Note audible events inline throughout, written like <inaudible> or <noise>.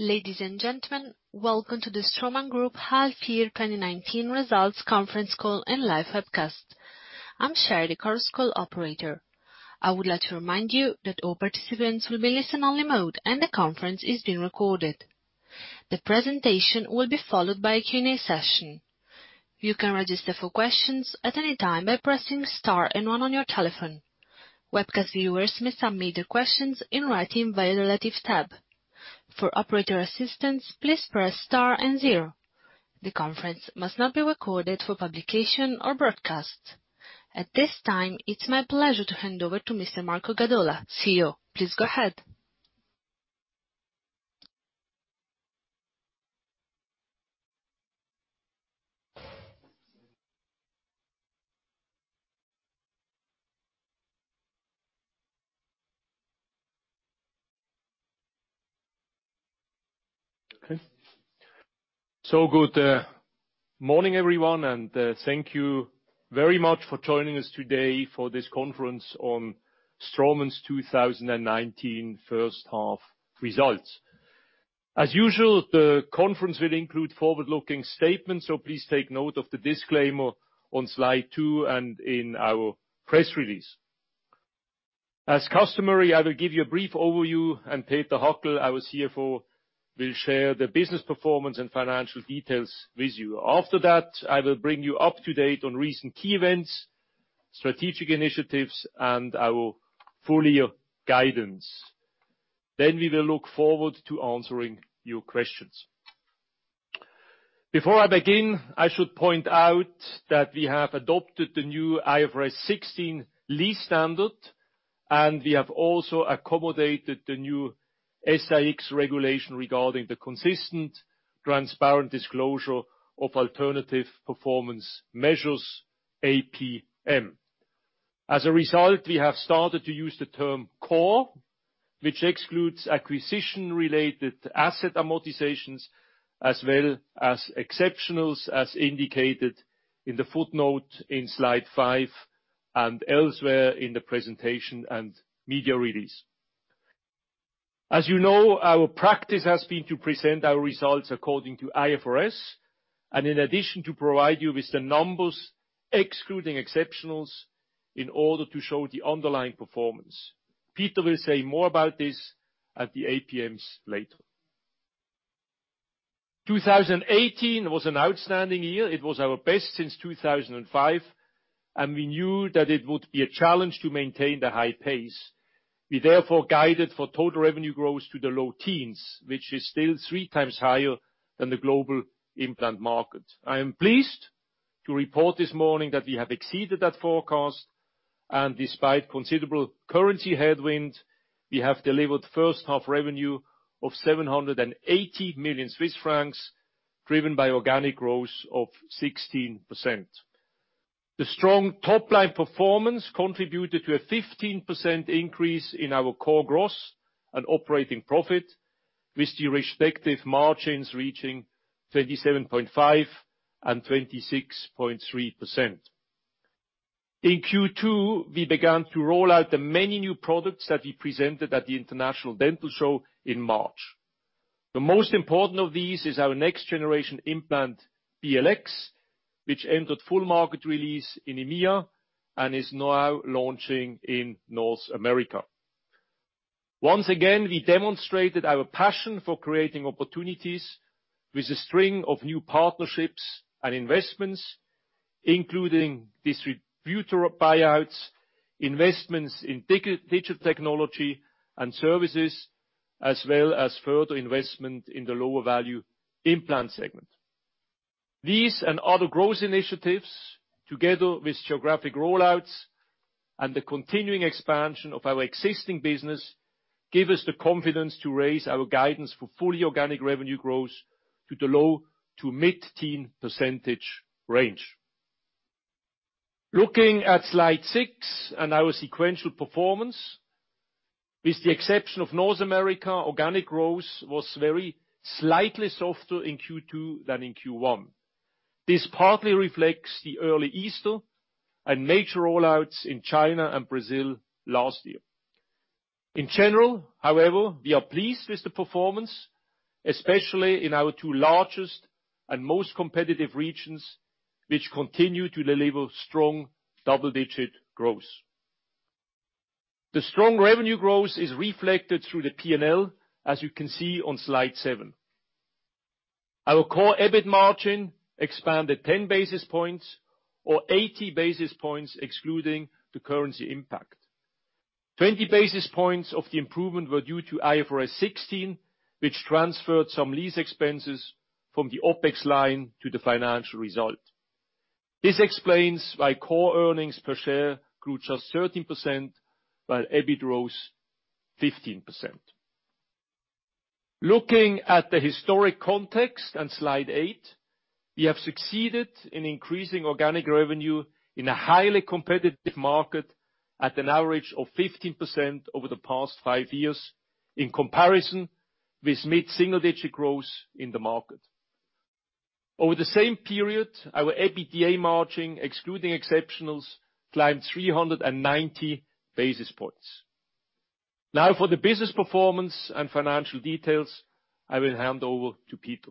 Ladies and gentlemen, welcome to the Straumann Group Half Year 2019 Results Conference Call and live webcast. I'm Sherry, the conference call operator. I would like to remind you that all participants will be listen-only mode, and the conference is being recorded. The presentation will be followed by a Q&A session. You can register for questions at any time by pressing star and one on your telephone. Webcast viewers may submit their questions in writing via the Relative tab. For operator assistance, please press star and zero. The conference must not be recorded for publication or broadcast. At this time, it's my pleasure to hand over to Mr. Marco Gadola, CEO. Please go ahead. Good morning, everyone, and thank you very much for joining us today for this conference on Straumann's 2019 H1 results. As usual, the conference will include forward-looking statements, please take note of the disclaimer on Slide two and in our press release. As customary, I will give you a brief overview, Peter Hackel, our CFO, will share the business performance and financial details with you. After that, I will bring you up to date on recent key events, strategic initiatives, and our full-year guidance. We will look forward to answering your questions. Before I begin, I should point out that we have adopted the new IFRS 16 lease standard, we have also accommodated the new SIX regulation regarding the consistent, transparent disclosure of alternative performance measures, APM. We have started to use the term core, which excludes acquisition-related asset amortizations, as well as exceptionals, as indicated in the footnote in Slide five and elsewhere in the presentation and media release. As you know, our practice has been to present our results according to IFRS, in addition, to provide you with the numbers excluding exceptionals in order to show the underlying performance. Peter will say more about this at the APMs later. 2018 was an outstanding year. It was our best since 2005, we knew that it would be a challenge to maintain the high pace. We therefore guided for total revenue growth to the low teens, which is still three times higher than the global implant market. I am pleased to report this morning that we have exceeded that forecast, and despite considerable currency headwind, we have delivered H1 revenue of 780 million Swiss francs, driven by organic growth of 16%. The strong top-line performance contributed to a 15% increase in our core growth and operating profit, with the respective margins reaching 37.5% and 26.3%. In Q2, we began to roll out the many new products that we presented at the International Dental Show in March. The most important of these is our next generation implant, BLX, which entered full market release in EMEA and is now launching in North America. Once again, we demonstrated our passion for creating opportunities with a string of new partnerships and investments, including distributor buyouts, investments in digital technology and services, as well as further investment in the lower value implant segment. These and other growth initiatives, together with geographic rollouts and the continuing expansion of our existing business, give us the confidence to raise our guidance for fully organic revenue growth to the low to mid-teen percentage range. Looking at Slide six and our sequential performance, with the exception of North America, organic growth was very slightly softer in Q2 than in Q1. This partly reflects the early Easter and major rollouts in China and Brazil last year. In general, however, we are pleased with the performance, especially in our two largest and most competitive regions, which continue to deliver strong double-digit growth. The strong revenue growth is reflected through the P&L, as you can see on Slide seven. Our core EBIT margin expanded 10 basis points or 80 basis points excluding the currency impact. 20 basis points of the improvement were due to IFRS 16, which transferred some lease expenses from the OPEX line to the financial result. This explains why core earnings per share grew just 13% while EBIT rose 15%. Looking at the historic context on Slide 8, we have succeeded in increasing organic revenue in a highly competitive market at an average of 15% over the past five years, in comparison with mid-single digit growth in the market. Over the same period, our EBITDA margin, excluding exceptionals, climbed 390 basis points. Now for the business performance and financial details, I will hand over to Peter.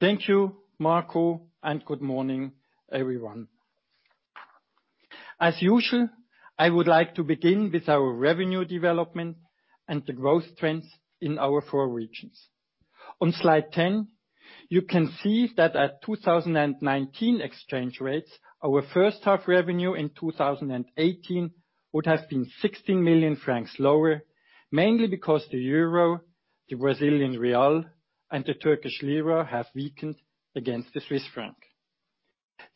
Thank you, Marco. Good morning, everyone. As usual, I would like to begin with our revenue development and the growth trends in our four regions. On slide 10, you can see that at 2019 exchange rates, our H1 revenue in 2018 would have been 16 million francs lower, mainly because the euro, the Brazilian real, and the Turkish lira have weakened against the Swiss franc.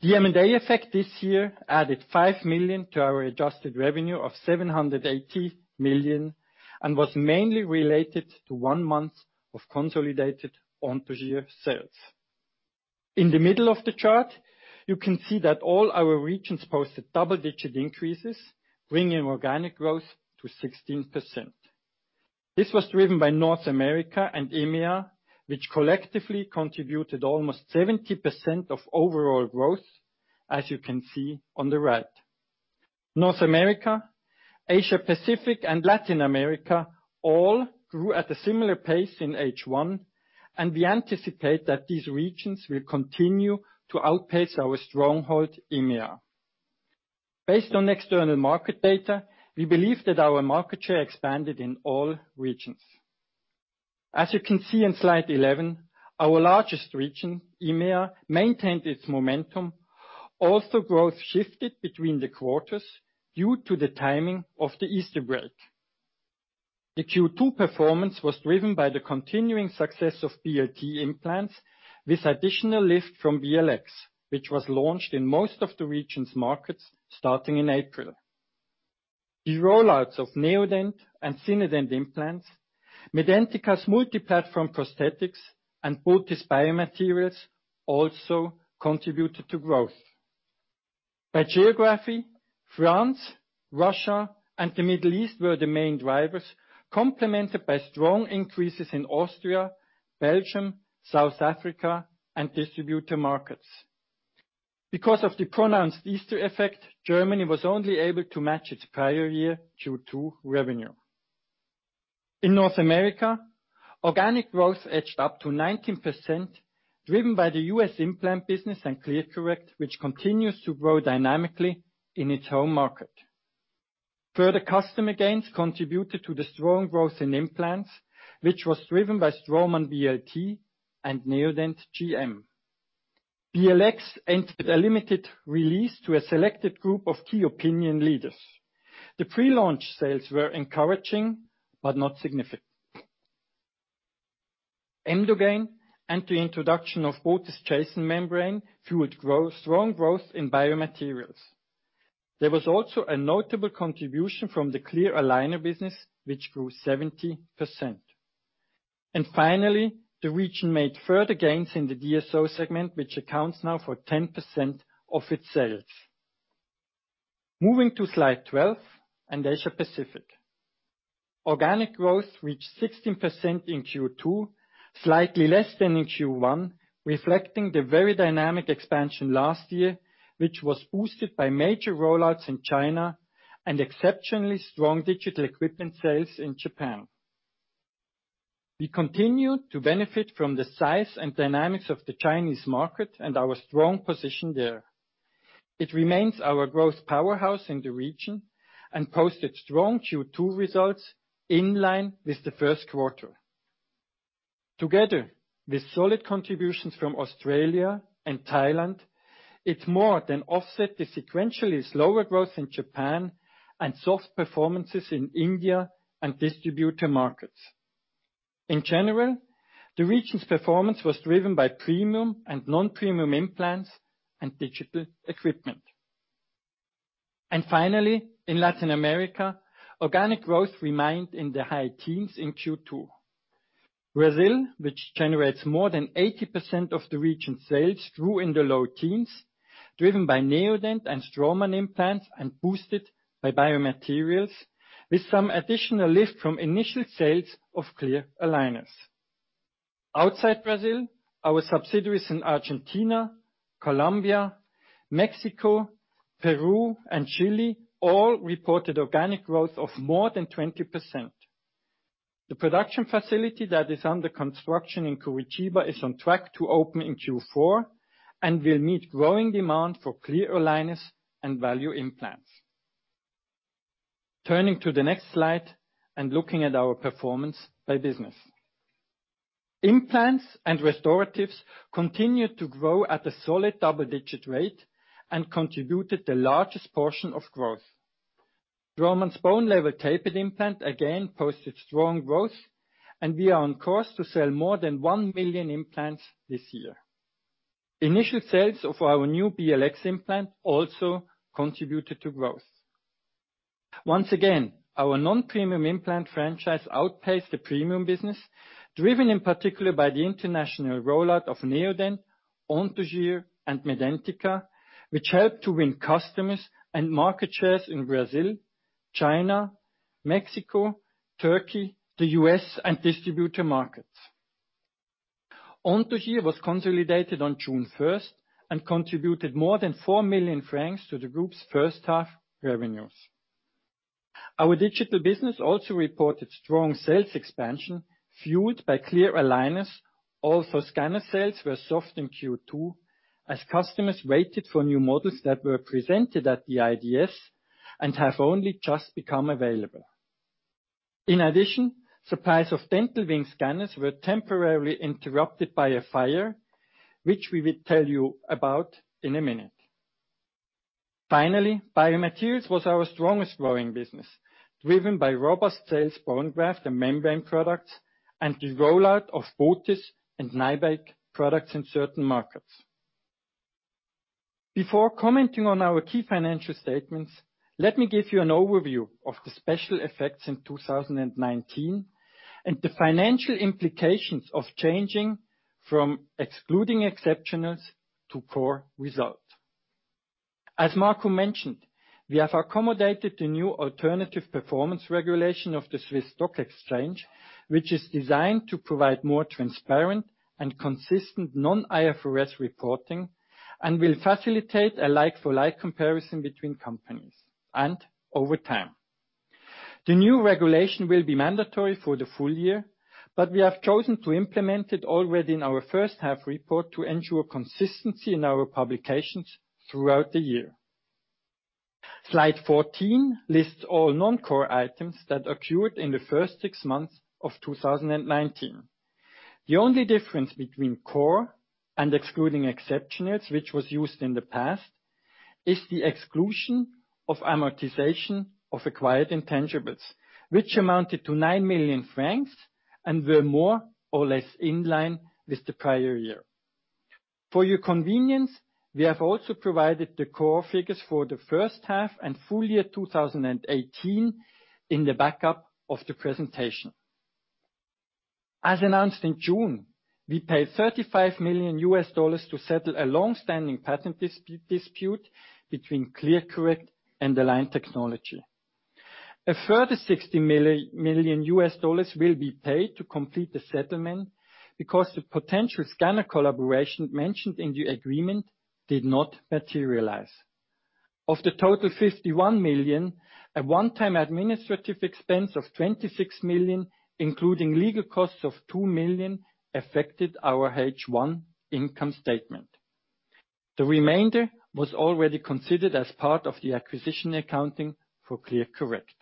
The M&A effect this year added five million to our adjusted revenue of 780 million and was mainly related to one month of consolidated Anthogyr sales. In the middle of the chart, you can see that all our regions posted double-digit increases, bringing organic growth to 16%. This was driven by North America and EMEA, which collectively contributed almost 70% of overall growth, as you can see on the right. North America, Asia Pacific, and Latin America all grew at a similar pace in H1. We anticipate that these regions will continue to outpace our stronghold, EMEA. Based on external market data, we believe that our market share expanded in all regions. As you can see on slide 11, our largest region, EMEA, maintained its momentum, although growth shifted between the quarters due to the timing of the Easter break. The Q2 performance was driven by the continuing success of BLT implants with additional lift from BLX, which was launched in most of the region's markets starting in April. The rollouts of Neodent and Zinedent implants, Medentika's multi-platform prosthetics, and botiss biomaterials also contributed to growth. By geography, France, Russia, and the Middle East were the main drivers, complemented by strong increases in Austria, Belgium, South Africa, and distributor markets. Because of the pronounced Easter effect, Germany was only able to match its prior year Q2 revenue. In North America, organic growth edged up to 19%, driven by the U.S. implant business and ClearCorrect, which continues to grow dynamically in its home market. Further customer gains contributed to the strong growth in implants, which was driven by Straumann BLT and Neodent GM. BLX entered a limited release to a selected group of key opinion leaders. The pre-launch sales were encouraging but not significant. Emdogain and the introduction of botiss Jason membrane fueled strong growth in biomaterials. There was also a notable contribution from the clear aligner business, which grew 70%. Finally, the region made further gains in the DSO segment, which accounts now for 10% of its sales. Moving to slide 12 and Asia Pacific. Organic growth reached 16% in Q2, slightly less than in Q1, reflecting the very dynamic expansion last year, which was boosted by major rollouts in China and exceptionally strong digital equipment sales in Japan. We continue to benefit from the size and dynamics of the Chinese market and our strong position there. It remains our growth powerhouse in the region and posted strong Q2 results in line with the Q1. Together with solid contributions from Australia and Thailand, it more than offset the sequentially slower growth in Japan and soft performances in India and distributor markets. In general, the region's performance was driven by premium and non-premium implants and digital equipment. Finally, in Latin America, organic growth remained in the high teens in Q2. Brazil, which generates more than 80% of the region's sales, grew in the low teens, driven by Neodent and Straumann implants and boosted by biomaterials, with some additional lift from initial sales of clear aligners. Outside Brazil, our subsidiaries in Argentina, Colombia, Mexico, Peru, and Chile all reported organic growth of more than 20%. The production facility that is under construction in Curitiba is on track to open in Q4 and will meet growing demand for clear aligners and value implants. Turning to the next slide and looking at our performance by business. Implants and restoratives continued to grow at a solid double-digit rate and contributed the largest portion of growth. Straumann's Bone Level Tapered implant again posted strong growth, and we are on course to sell more than 1 million implants this year. Initial sales of our new BLX implant also contributed to growth. Once again, our non-premium implant franchise outpaced the premium business, driven in particular by the international rollout of Neodent, Anthogyr, and Medentika, which helped to win customers and market shares in Brazil, China, Mexico, Turkey, the U.S., and distributor markets. Anthogyr was consolidated on 1 June and contributed more than 4 million francs to the group's H1 revenues. Our digital business also reported strong sales expansion, fueled by clear aligners, although scanner sales were soft in Q2 as customers waited for new models that were presented at the IDS and have only just become available. In addition, supplies of Dental Wings scanners were temporarily interrupted by a fire, which we will tell you about in a minute. Finally, biomaterials was our strongest growing business, driven by robust sales bone graft and membrane products, and the rollout of botiss and <inaudible> products in certain markets. Before commenting on our key financial statements, let me give you an overview of the special effects in 2019 and the financial implications of changing from excluding exceptionals to core results. As Marco mentioned, we have accommodated the new alternative performance regulation of the Swiss Stock Exchange, which is designed to provide more transparent and consistent non-IFRS reporting and will facilitate a like-for-like comparison between companies and over time. The new regulation will be mandatory for the full year. We have chosen to implement it already in our H1 report to ensure consistency in our publications throughout the year. Slide 14 lists all non-core items that occurred in the first six months of 2019. The only difference between core and excluding exceptionals, which was used in the past, is the exclusion of amortization of acquired intangibles, which amounted to 9 million francs and were more or less in line with the prior year. For your convenience, we have also provided the core figures for the H1 and full year 2018 in the backup of the presentation. As announced in June, we paid $35 million to settle a longstanding patent dispute between ClearCorrect and Align Technology. A further $60 million will be paid to complete the settlement because the potential scanner collaboration mentioned in the agreement did not materialize. Of the total 51 million, a one-time administrative expense of 26 million, including legal costs of 2 million, affected our H1 income statement. The remainder was already considered as part of the acquisition accounting for ClearCorrect.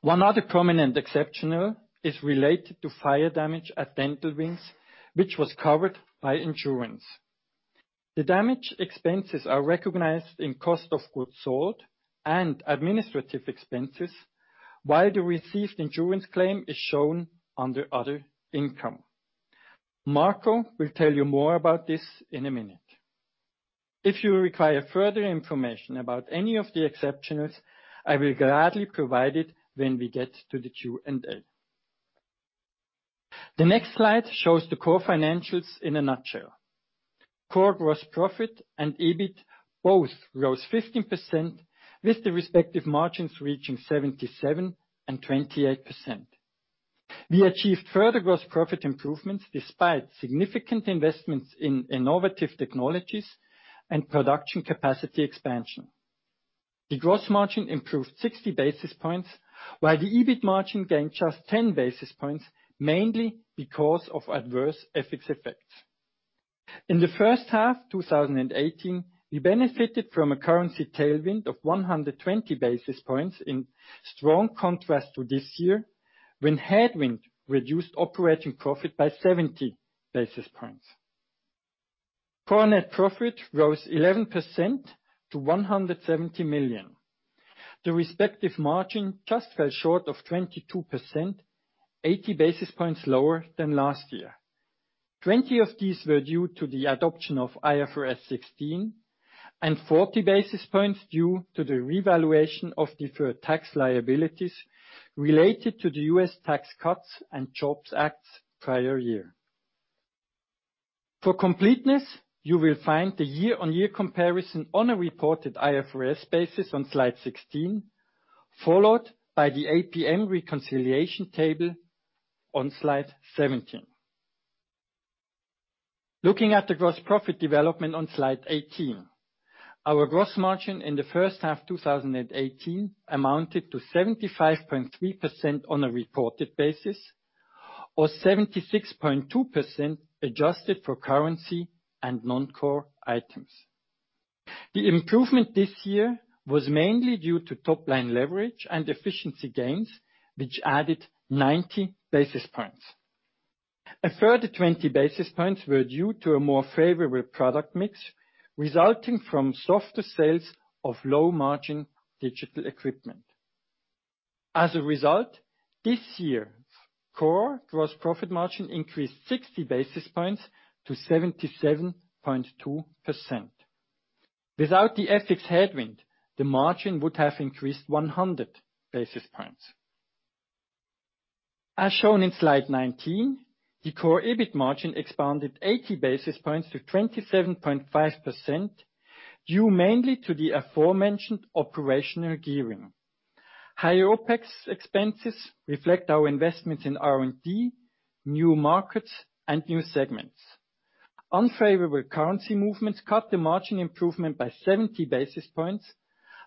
One other prominent exceptional is related to fire damage at Dental Wings, which was covered by insurance. The damage expenses are recognized in cost of goods sold and administrative expenses while the received insurance claim is shown under other income. Marco will tell you more about this in a minute. If you require further information about any of the exceptionals, I will gladly provide it when we get to the Q&A. The next slide shows the core financials in a nutshell. Core gross profit and EBIT both rose 15% with the respective margins reaching 77% and 28%. We achieved further gross profit improvements despite significant investments in innovative technologies and production capacity expansion. The gross margin improved 60 basis points, while the EBIT margin gained just 10 basis points, mainly because of adverse FX effects. In the H1 2018, we benefited from a currency tailwind of 120 basis points in strong contrast to this year, when headwind reduced operating profit by 70 basis points. Core net profit rose 11% to 170 million. The respective margin just fell short of 22%, 80 basis points lower than last year. 20 of these were due to the adoption of IFRS 16, and 40 basis points due to the revaluation of deferred tax liabilities related to the Tax Cuts and Jobs Act prior year. For completeness, you will find the year-on-year comparison on a reported IFRS basis on slide 16, followed by the APM reconciliation table on slide 17. Looking at the gross profit development on slide 18. Our gross margin in the H1 2018 amounted to 75.3% on a reported basis or 76.2% adjusted for currency and non-core items. The improvement this year was mainly due to top-line leverage and efficiency gains, which added 90 basis points. A further 20 basis points were due to a more favorable product mix, resulting from softer sales of low-margin digital equipment. As a result, this year's core gross profit margin increased 60 basis points to 77.2%. Without the FX headwind, the margin would have increased 100 basis points. As shown in slide 19, the core EBIT margin expanded 80 basis points to 27.5%, due mainly to the aforementioned operational gearing. Higher OPEX expenses reflect our investments in R&D, new markets, and new segments. Unfavorable currency movements cut the margin improvement by 70 basis points,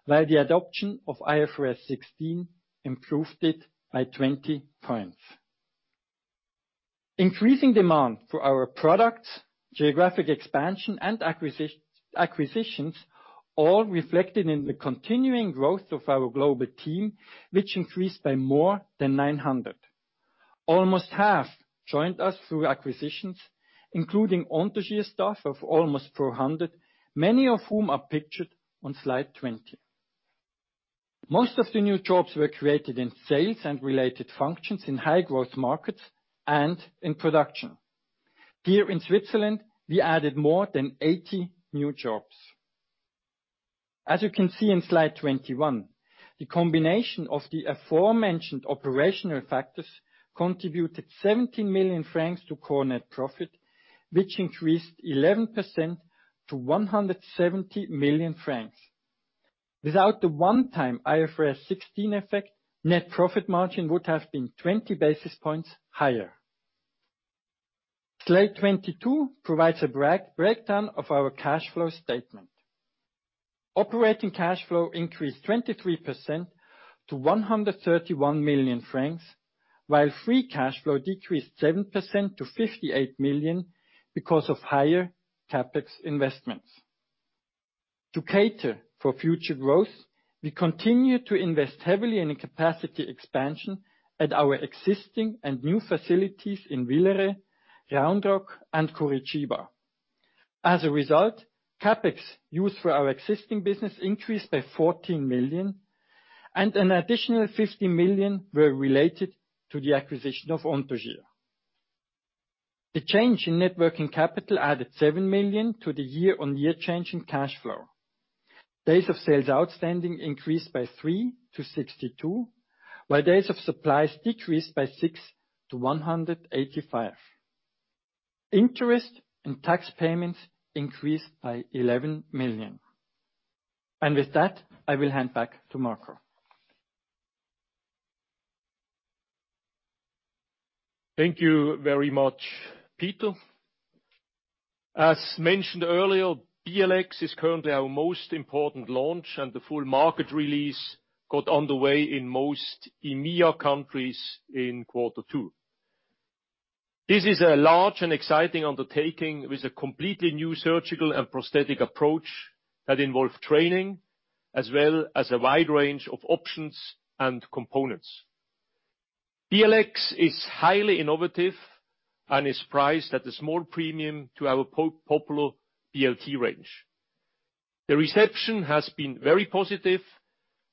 while the adoption of IFRS 16 improved it by 20 points. Increasing demand for our products, geographic expansion, and acquisitions all reflected in the continuing growth of our global team, which increased by more than 900. Almost half joined us through acquisitions, including Anthogyr staff of almost 400, many of whom are pictured on slide 20. Most of the new jobs were created in sales and related functions in high-growth markets and in production. Here in Switzerland, we added more than 80 new jobs. As you can see in slide 21, the combination of the aforementioned operational factors contributed 17 million francs to core net profit, which increased 11% to 170 million francs. Without the one-time IFRS 16 effect, net profit margin would have been 20 basis points higher. Slide 22 provides a breakdown of our cash flow statement. Operating cash flow increased 23% to 131 million francs, while free cash flow decreased 7% to 58 million because of higher CapEx investments. To cater for future growth, we continue to invest heavily in capacity expansion at our existing and new facilities in Villeret, Round Rock, and Curitiba. As a result, CapEx used for our existing business increased by 14 million, and an additional 15 million were related to the acquisition of Anthogyr. The change in net working capital added 7 million to the year-on-year change in cash flow. Days of sales outstanding increased by three to 62, while days of supplies decreased by six to 185. Interest and tax payments increased by 11 million. With that, I will hand back to Marco. Thank you very much, Peter. As mentioned earlier, BLX is currently our most important launch, and the full market release got underway in most EMEA countries in quarter two. This is a large and exciting undertaking with a completely new surgical and prosthetic approach that involve training as well as a wide range of options and components. BLX is highly innovative and is priced at a small premium to our popular BLT range. The reception has been very positive,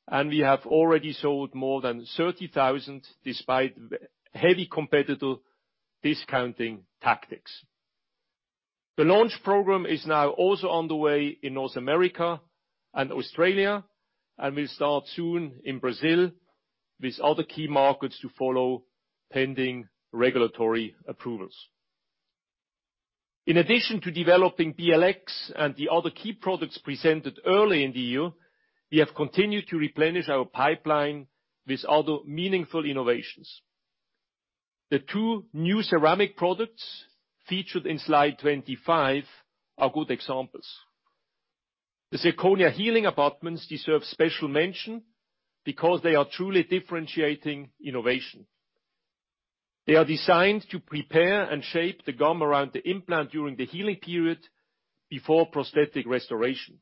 and we have already sold more than 30,000 despite heavy competitor discounting tactics. The launch program is now also underway in North America and Australia, and will start soon in Brazil, with other key markets to follow, pending regulatory approvals. In addition to developing BLX and the other key products presented early in the year, we have continued to replenish our pipeline with other meaningful innovations. The two new ceramic products featured in slide 25 are good examples. The zirconia healing abutments deserve special mention because they are truly differentiating innovation. They are designed to prepare and shape the gum around the implant during the healing period before prosthetic restoration.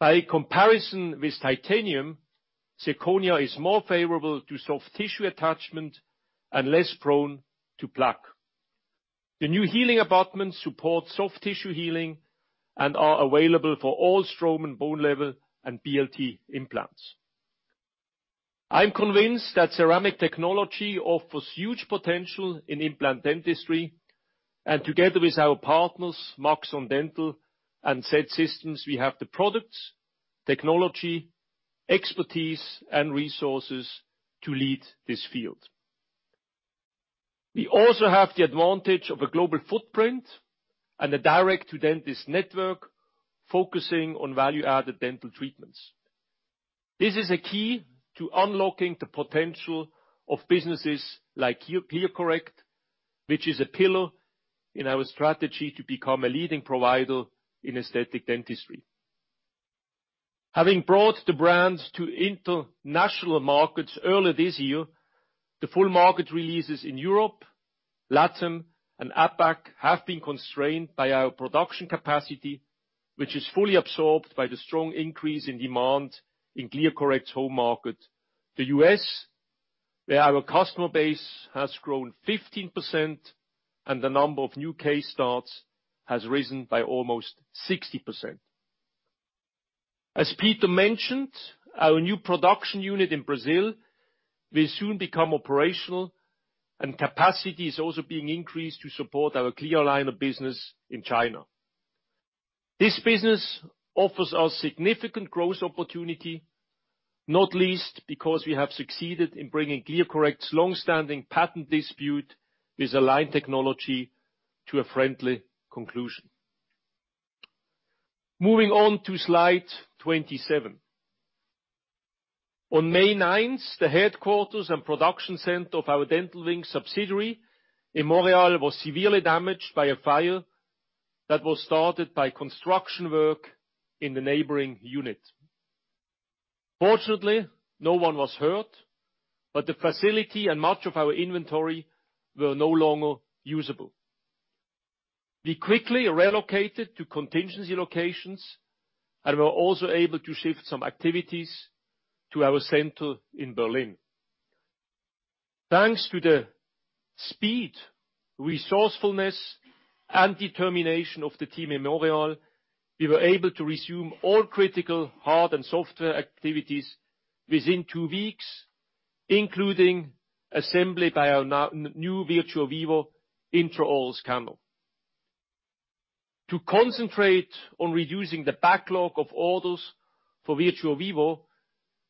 By comparison with titanium, zirconia is more favorable to soft tissue attachment and less prone to plaque. The new healing abutments support soft tissue healing and are available for all Straumann bone level and BLT implants. I'm convinced that ceramic technology offers huge potential in implant dentistry, and together with our partners, maxon dental and Z-Systems, we have the products, technology, expertise, and resources to lead this field. We also have the advantage of a global footprint and a direct-to-dentist network focusing on value-added dental treatments. This is a key to unlocking the potential of businesses like ClearCorrect, which is a pillar in our strategy to become a leading provider in aesthetic dentistry. Having brought the brands to international markets early this year, the full market releases in Europe, LATAM, and APAC have been constrained by our production capacity, which is fully absorbed by the strong increase in demand in ClearCorrect's home market, the U.S., where our customer base has grown 15% and the number of new case starts has risen by almost 60%. As Peter mentioned, our new production unit in Brazil will soon become operational, and capacity is also being increased to support our Clear line of business in China. This business offers us significant growth opportunity, not least because we have succeeded in bringing ClearCorrect's longstanding patent dispute with Align Technology to a friendly conclusion. Moving on to slide 27. On May 9th, the headquarters and production center of our Dental Wings subsidiary in Montreal was severely damaged by a fire that was started by construction work in the neighboring unit. Fortunately, no one was hurt, but the facility and much of our inventory were no longer usable. We quickly relocated to contingency locations and were also able to shift some activities to our center in Berlin. Thanks to the speed, resourcefulness, and determination of the team in Montreal, we were able to resume all critical hard and software activities within two weeks, including assembly by our new Virtuo Vivo intraoral scanner. To concentrate on reducing the backlog of orders for Virtuo Vivo,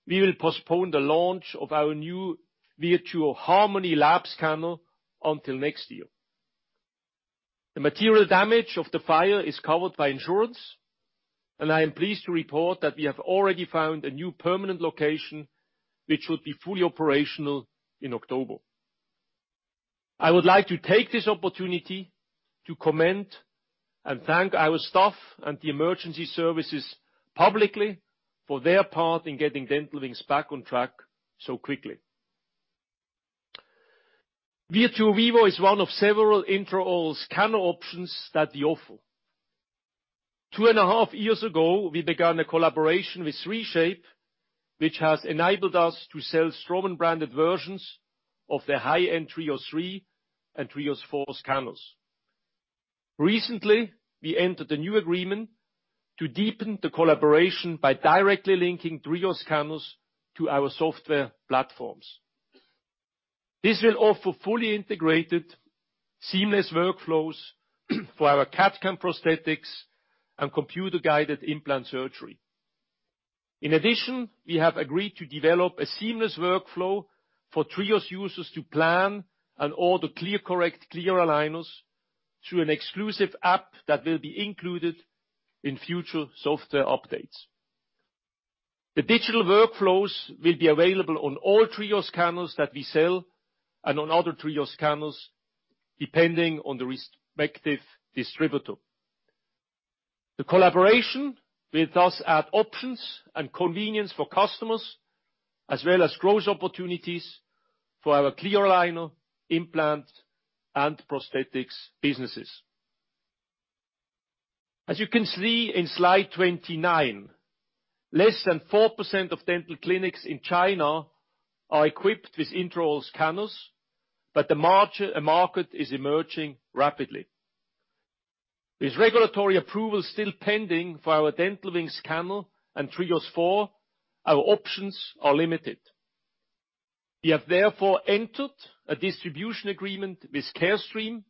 we will postpone the launch of our new Virtuo Harmony lab scanner until next year. The material damage of the fire is covered by insurance, I am pleased to report that we have already found a new permanent location which will be fully operational in October. I would like to take this opportunity to commend and thank our staff and the emergency services publicly for their part in getting Dental Wings back on track so quickly. Virtuo Vivo is one of several intraoral scanner options that we offer. Two and a half years ago, we began a collaboration with 3Shape, which has enabled us to sell Straumann-branded versions of their high-end TRIOS 3 and TRIOS 4 scanners. Recently, we entered a new agreement to deepen the collaboration by directly linking TRIOS scanners to our software platforms. This will offer fully integrated, seamless workflows for our CAD/CAM prosthetics and computer-guided implant surgery. In addition, we have agreed to develop a seamless workflow for TRIOS users to plan and order ClearCorrect clear aligners through an exclusive app that will be included in future software updates. The digital workflows will be available on all TRIOS scanners that we sell and on other TRIOS scanners, depending on the respective distributor. The collaboration will thus add options and convenience for customers, as well as growth opportunities for our clear aligner, implant, and prosthetics businesses. As you can see in slide 29, less than 4% of dental clinics in China are equipped with intraoral scanners, but the market is emerging rapidly. With regulatory approval still pending for our Dental Wings scanner and TRIOS 4, our options are limited. We have therefore entered a distribution agreement with Carestream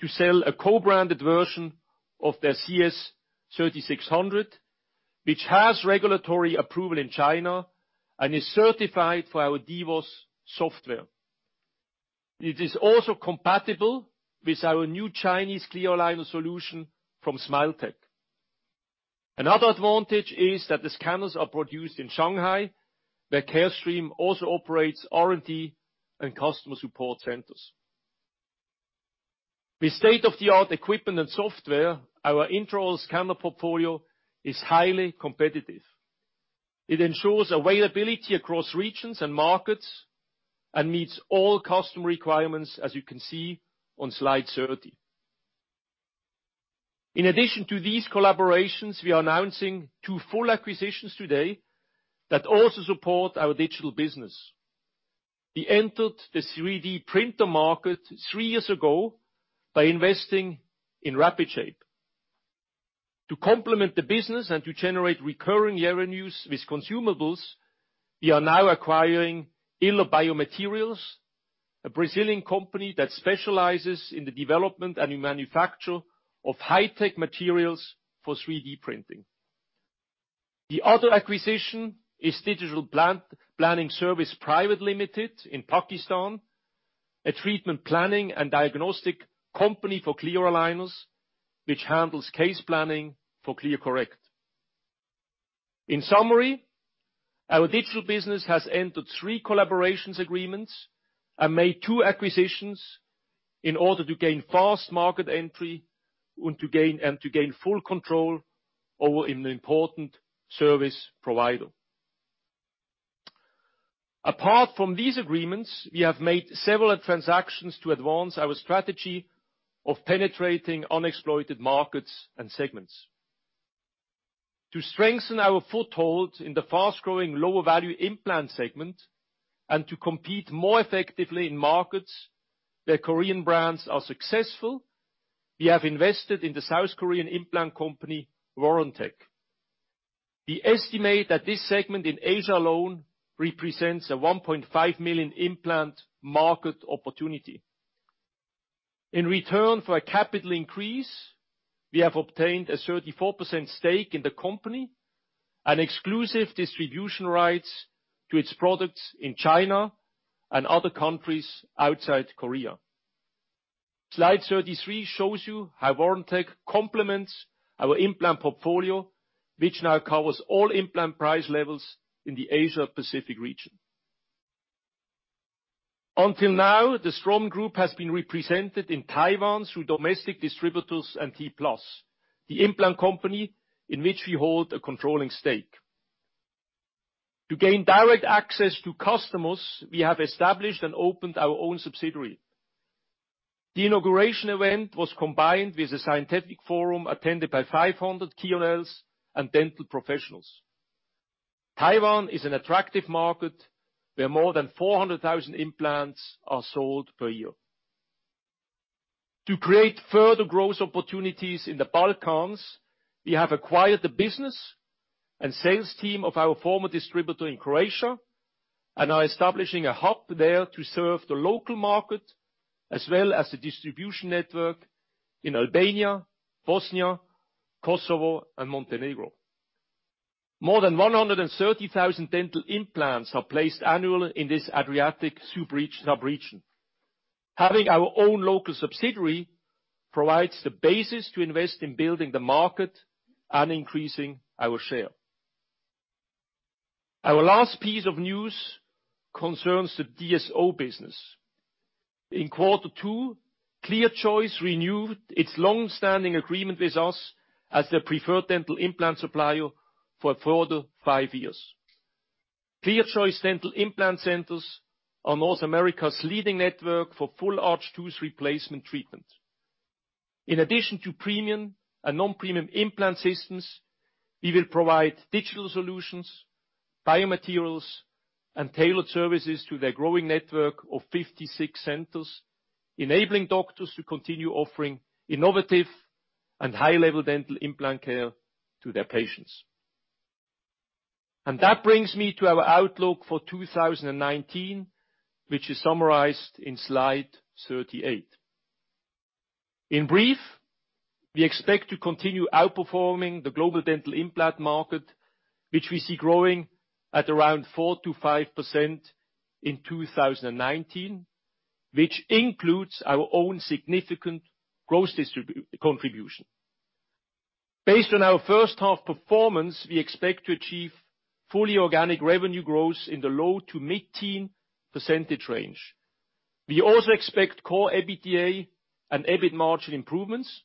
to sell a co-branded version of their CS 3600, which has regulatory approval in China and is certified for our DWOS software. It is also compatible with our new Chinese clear aligner solution from Smartee. Another advantage is that the scanners are produced in Shanghai, where Carestream also operates R&D and customer support centers. With state-of-the-art equipment and software, our intraoral scanner portfolio is highly competitive. It ensures availability across regions and markets and meets all custom requirements, as you can see on slide 30. In addition to these collaborations, we are announcing two full acquisitions today that also support our digital business. We entered the 3D printer market three years ago by investing in Rapid Shape. To complement the business and to generate recurring revenues with consumables, we are now acquiring Yller Biomateriais, a Brazilian company that specializes in the development and manufacture of high-tech materials for 3D printing. The other acquisition is Digital Planning Service Private Limited in Pakistan, a treatment planning and diagnostic company for clear aligners, which handles case planning for ClearCorrect. In summary, our digital business has entered three collaboration agreements and made two acquisitions in order to gain fast market entry and to gain full control over an important service provider. Apart from these agreements, we have made several transactions to advance our strategy of penetrating unexploited markets and segments. To strengthen our foothold in the fast-growing, lower-value implant segment and to compete more effectively in markets where Korean brands are successful, we have invested in the South Korean implant company, Warantec. We estimate that this segment in Asia alone represents a 1.5 million implant market opportunity. In return for a capital increase, we have obtained a 34% stake in the company, and exclusive distribution rights to its products in China and other countries outside Korea. Slide 33 shows you how Warantec complements our implant portfolio, which now covers all implant price levels in the Asia Pacific region. Until now, the Straumann Group has been represented in Taiwan through domestic distributors and T-Plus, the implant company in which we hold a controlling stake. To gain direct access to customers, we have established and opened our own subsidiary. The inauguration event was combined with a scientific forum attended by 500 key accounts and dental professionals. Taiwan is an attractive market where more than 400,000 implants are sold per year. To create further growth opportunities in the Balkans, we have acquired the business and sales team of our former distributor in Croatia, and are establishing a hub there to serve the local market, as well as the distribution network in Albania, Bosnia, Kosovo, and Montenegro. More than 130,000 dental implants are placed annually in this Adriatic sub-region. Having our own local subsidiary provides the basis to invest in building the market and increasing our share. Our last piece of news concerns the DSO business. In quarter two, ClearChoice renewed its longstanding agreement with us as their preferred dental implant supplier for a further five years. ClearChoice Dental Implant Centers are North America's leading network for full arch tooth replacement treatment. In addition to premium and non-premium implant systems, we will provide digital solutions, biomaterials, and tailored services to their growing network of 56 centers, enabling doctors to continue offering innovative and high-level dental implant care to their patients. That brings me to our outlook for 2019, which is summarized in slide 38. In brief, we expect to continue outperforming the global dental implant market, which we see growing at around 4%-5% in 2019, which includes our own significant gross contribution. Based on our H1 performance, we expect to achieve fully organic revenue growth in the low to mid-teen percentage range. We also expect core EBITDA and EBIT margin improvements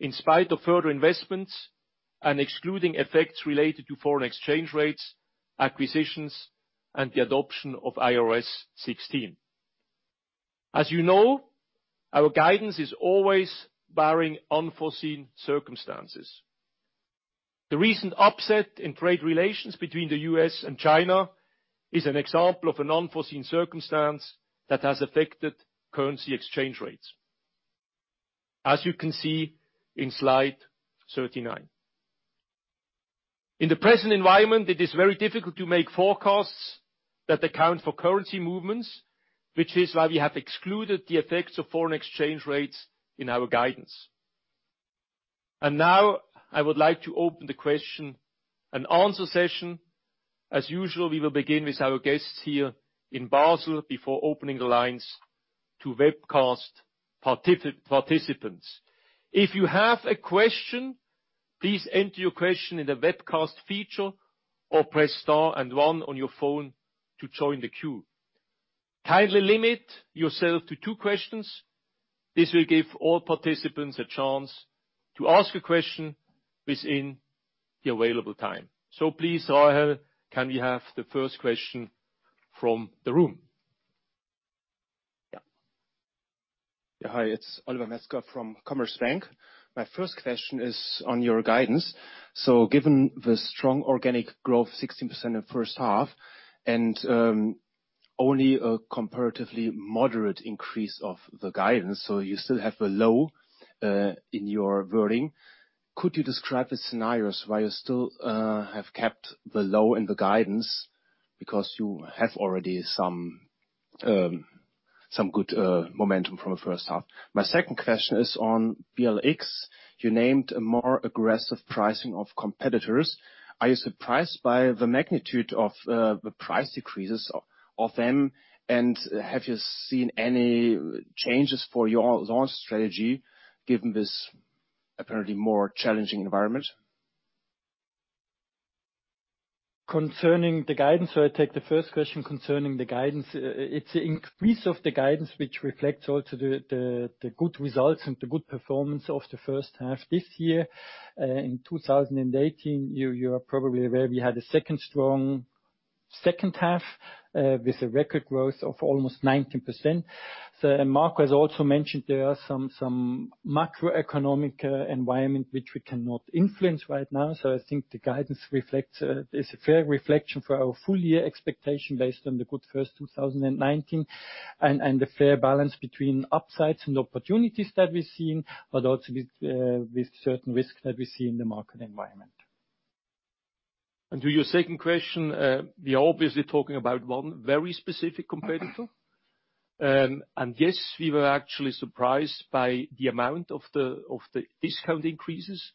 in spite of further investments and excluding effects related to foreign exchange rates, acquisitions, and the adoption of IFRS 16. As you know, our guidance is always barring unforeseen circumstances. The recent upset in trade relations between the U.S. and China is an example of an unforeseen circumstance that has affected currency exchange rates. As you can see in slide 39. In the present environment, it is very difficult to make forecasts that account for currency movements, which is why we have excluded the effects of foreign exchange rates in our guidance. Now, I would like to open the question and answer session. As usual, we will begin with our guests here in Basel before opening the lines to webcast participants. If you have a question, please enter your question in the webcast feature or press star and 1 on your phone to join the queue. Kindly limit yourself to two questions. This will give all participants a chance to ask a question within the available time. Please, Rachel, can we have the first question from the room? Yeah. Hi, it's Oliver Metzger from Commerzbank. My first question is on your guidance. Given the strong organic growth, 16% in the H1, and only a comparatively moderate increase of the guidance, so you still have the low in your wording. Could you describe the scenarios why you still have kept the low in the guidance? Because you have already some good momentum from the H1. My second question is on BLX. You named a more aggressive pricing of competitors. Are you surprised by the magnitude of the price decreases of them? Have you seen any changes for your launch strategy, given this apparently more challenging environment? Concerning the guidance, I take the first question concerning the guidance. It's an increase of the guidance which reflects also the good results and the good performance of the H1 this year. In 2018, you are probably aware we had a second strong H2, with a record growth of almost 19%. Marco has also mentioned there are some macroeconomic environment which we cannot influence right now. I think the guidance is a fair reflection for our full year expectation based on the good first 2019, and a fair balance between upsides and opportunities that we're seeing, but also with certain risks that we see in the market environment. To your second question, we are obviously talking about one very specific competitor. Yes, we were actually surprised by the amount of the discount increases.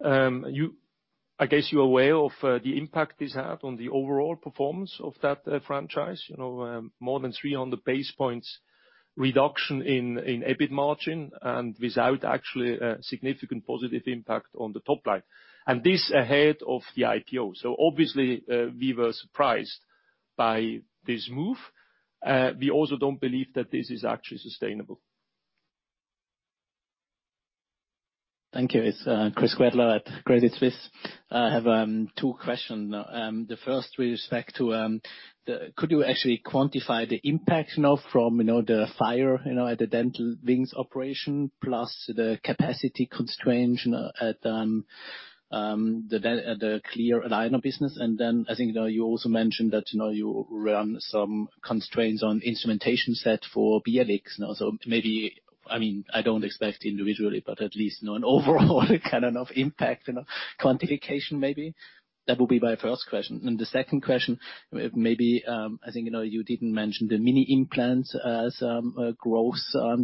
I guess you're aware of the impact this had on the overall performance of that franchise. More than 300 basis points reduction in EBIT margin and without actually a significant positive impact on the top line. This ahead of the IPO. Obviously, we were surprised by this move. We also don't believe that this is actually sustainable. Thank you. It's Chris Gretler at Credit Suisse. I have two questions. The first with respect to, could you actually quantify the impact now from the fire at the Dental Wings operation, plus the capacity constraints at the clear aligner business? Then I think you also mentioned that you run some constraints on instrumentation set for BLX now. Maybe, I don't expect individually, but at least an overall kind of impact quantification maybe. That would be my first question. The second question, I think, you didn't mention the mini implants as a growth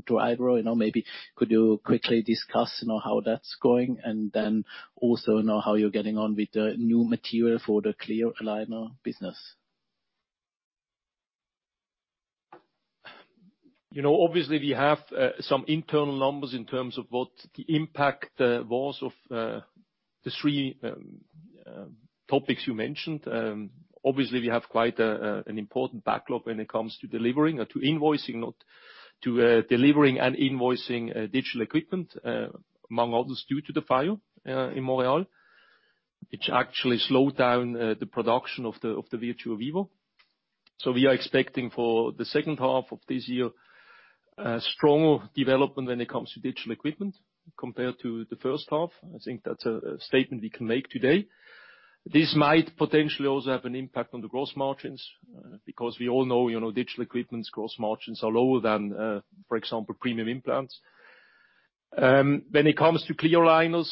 driver. Maybe could you quickly discuss how that's going and then also how you're getting on with the new material for the clear aligner business. We have some internal numbers in terms of what the impact was of the three topics you mentioned. We have quite an important backlog when it comes to delivering and invoicing digital equipment, among others, due to the fire in Montreal. Which actually slowed down the production of the Virtuo Vivo. We are expecting for the H2 of this year, a strong development when it comes to digital equipment compared to the H1. I think that's a statement we can make today. This might potentially also have an impact on the gross margins, because we all know digital equipment's gross margins are lower than, for example, premium implants. When it comes to clear aligners,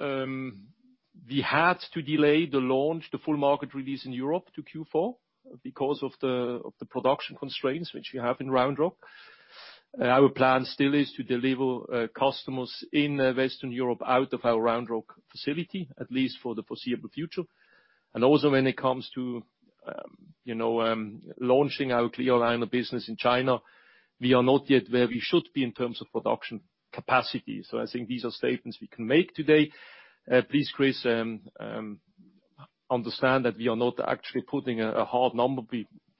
we had to delay the launch, the full market release in Europe to Q4 because of the production constraints which we have in Round Rock. Our plan still is to deliver customers in Western Europe out of our Round Rock facility, at least for the foreseeable future. Also when it comes to launching our clear aligner business in China, we are not yet where we should be in terms of production capacity. I think these are statements we can make today. Please, Chris, understand that we are not actually putting a hard number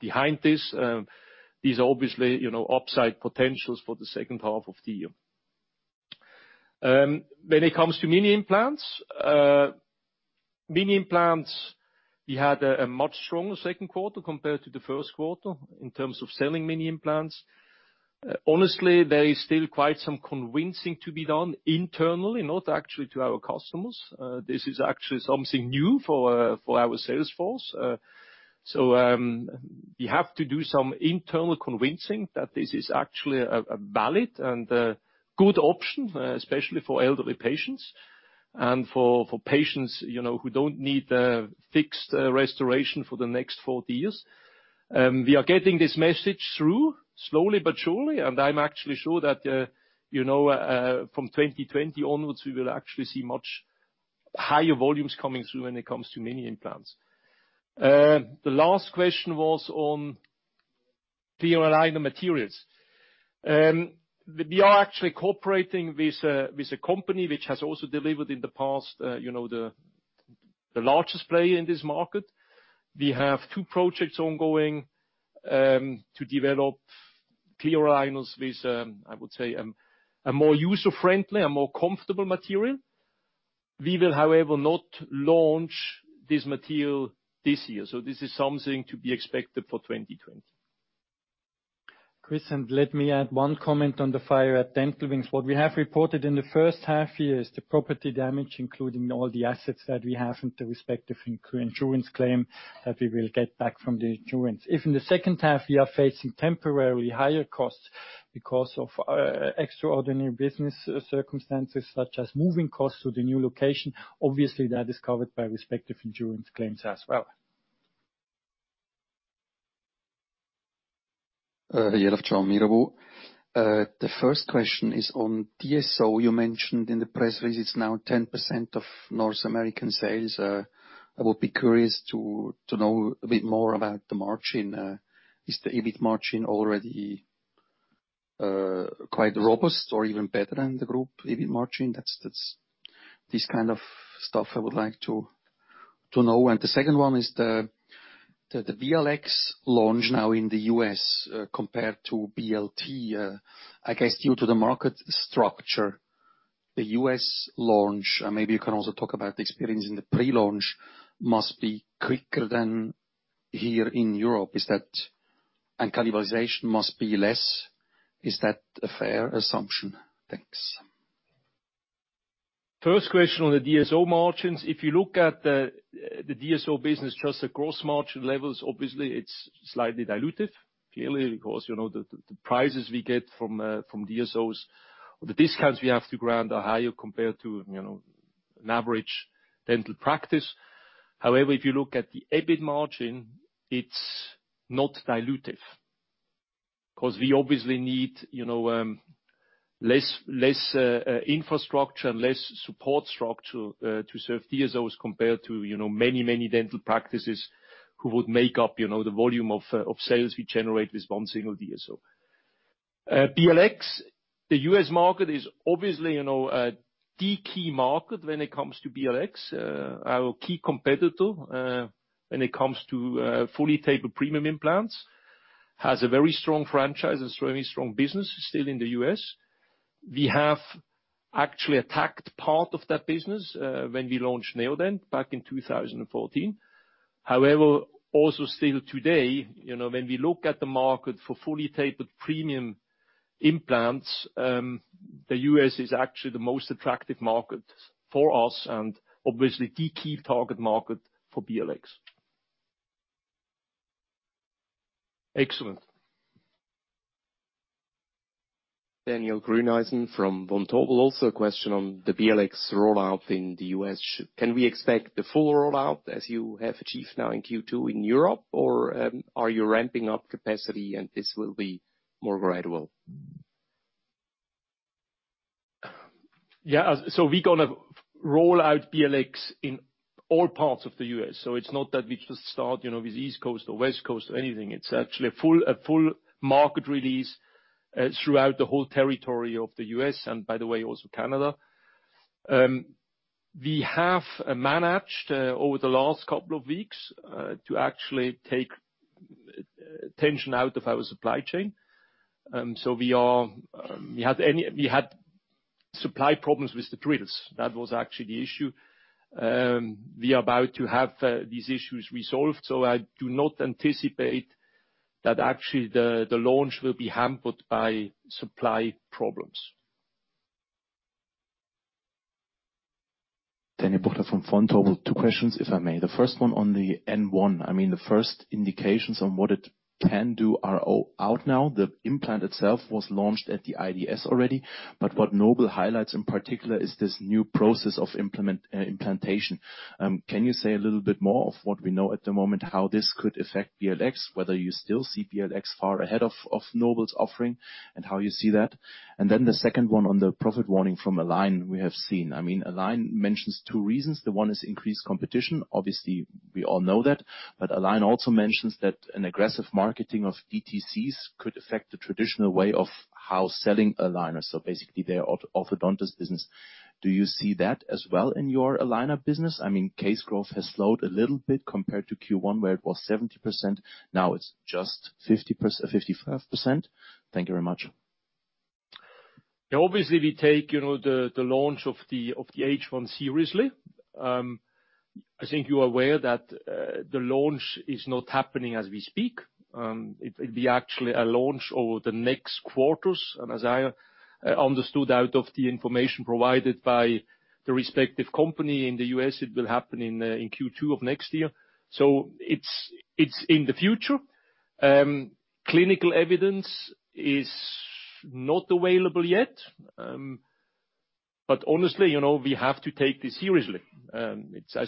behind this. These are obviously upside potentials for the H2 of the year. When it comes to mini implants. Mini implants, we had a much stronger Q2 compared to the Q1 in terms of selling mini implants. Honestly, there is still quite some convincing to be done internally, not actually to our customers. This is actually something new for our sales force. We have to do some internal convincing that this is actually a valid and a good option, especially for elderly patients and for patients who don't need a fixed restoration for the next 40 years. We are getting this message through, slowly but surely, and I'm actually sure that from 2020 onwards, we will actually see much higher volumes coming through when it comes to mini implants. The last question was on clear aligner materials. We are actually cooperating with a company which has also delivered in the past, the largest player in this market. We have two projects ongoing to develop clear aligners with, I would say, a more user-friendly, a more comfortable material. We will however not launch this material this year. This is something to be expected for 2020. Chris, let me add one comment on the fire at Dental Wings. What we have reported in the H1 year is the property damage including all the assets that we have and the respective insurance claim that we will get back from the insurance. If in the H2 we are facing temporarily higher costs because of extraordinary business circumstances such as moving costs to the new location, obviously that is covered by respective insurance claims as well. Mirabaud. The first question is on DSO. You mentioned in the press release it's now 10% of North American sales. I would be curious to know a bit more about the margin. Is the EBIT margin already quite robust or even better than the group EBIT margin? That's this kind of stuff I would like to know. The second one is the BLX launch now in the U.S. compared to BLT. I guess due to the market structure, the U.S. launch, maybe you can also talk about the experience in the pre-launch, must be quicker than here in Europe. Cannibalization must be less. Is that a fair assumption? Thanks. First question on the DSO margins. If you look at the DSO business, just the gross margin levels, obviously it's slightly dilutive. Clearly because the prices we get from DSOs or the discounts we have to grant are higher compared to an average dental practice. If you look at the EBIT margin, it's not dilutive because we obviously need less infrastructure and less support structure to serve DSOs compared to many dental practices who would make up the volume of sales we generate with one single DSO. BLX, the U.S. market is obviously, the key market when it comes to BLX. Our key competitor, when it comes to fully tapered premium implants, has a very strong franchise, a very strong business still in the U.S. We have actually attacked part of that business when we launched Neodent back in 2014. However, also still today, when we look at the market for fully tapered premium implants, the U.S. is actually the most attractive market for us and obviously the key target market for BLX. Excellent. Daniel Grünheid from Vontobel. A question on the BLX rollout in the U.S. Can we expect the full rollout as you have achieved now in Q2 in Europe? Are you ramping up capacity and this will be more gradual? Yeah. We're going to roll out BLX in all parts of the U.S. It's not that we just start with East Coast or West Coast or anything. It's actually a full market release throughout the whole territory of the U.S., and by the way, also Canada. We have managed over the last couple of weeks to actually take tension out of our supply chain. We had supply problems with the drills. That was actually the issue. We are about to have these issues resolved. I do not anticipate that actually the launch will be hampered by supply problems. Daniel Buchta from Vontobel. Two questions, if I may. The first one on the N1. The first indications on what it can do are out now. The implant itself was launched at the IDS already, but what Nobel highlights in particular is this new process of implantation. Can you say a little bit more of what we know at the moment, how this could affect BLX? Whether you still see BLX far ahead of Nobel's offering, and how you see that? The second one on the profit warning from Align we have seen. Align mentions two reasons. One is increased competition. Obviously, we all know that. Align also mentions that an aggressive marketing of DTCs could affect the traditional way of how selling Aligners, so basically their orthodontist business. Do you see that as well in your Aligner business? Case growth has slowed a little bit compared to Q1 where it was 70%, now it's just 55%. Thank you very much. Obviously, we take the launch of the N1 seriously. I think you're aware that the launch is not happening as we speak. It'll be actually a launch over the next quarters. As I understood out of the information provided by the respective company in the U.S., it will happen in Q2 of next year. It's in the future. Clinical evidence is not available yet. Honestly, we have to take this seriously. I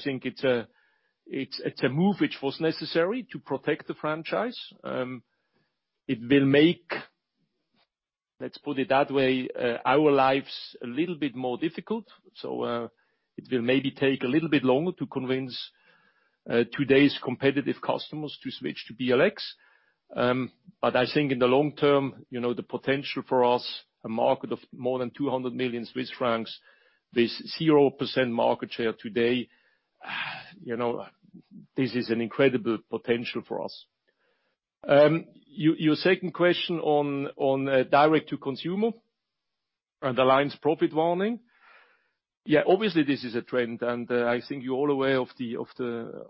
think it's a move which was necessary to protect the franchise. It will make, let's put it that way, our lives a little bit more difficult. It will maybe take a little bit longer to convince today's competitive customers to switch to BLX. I think in the long term, the potential for us, a market of more than 200 million Swiss francs with 0% market share today, this is an incredible potential for us. Your second question on direct to consumer and Align's profit warning. Yeah, obviously this is a trend, and I think you're all aware of the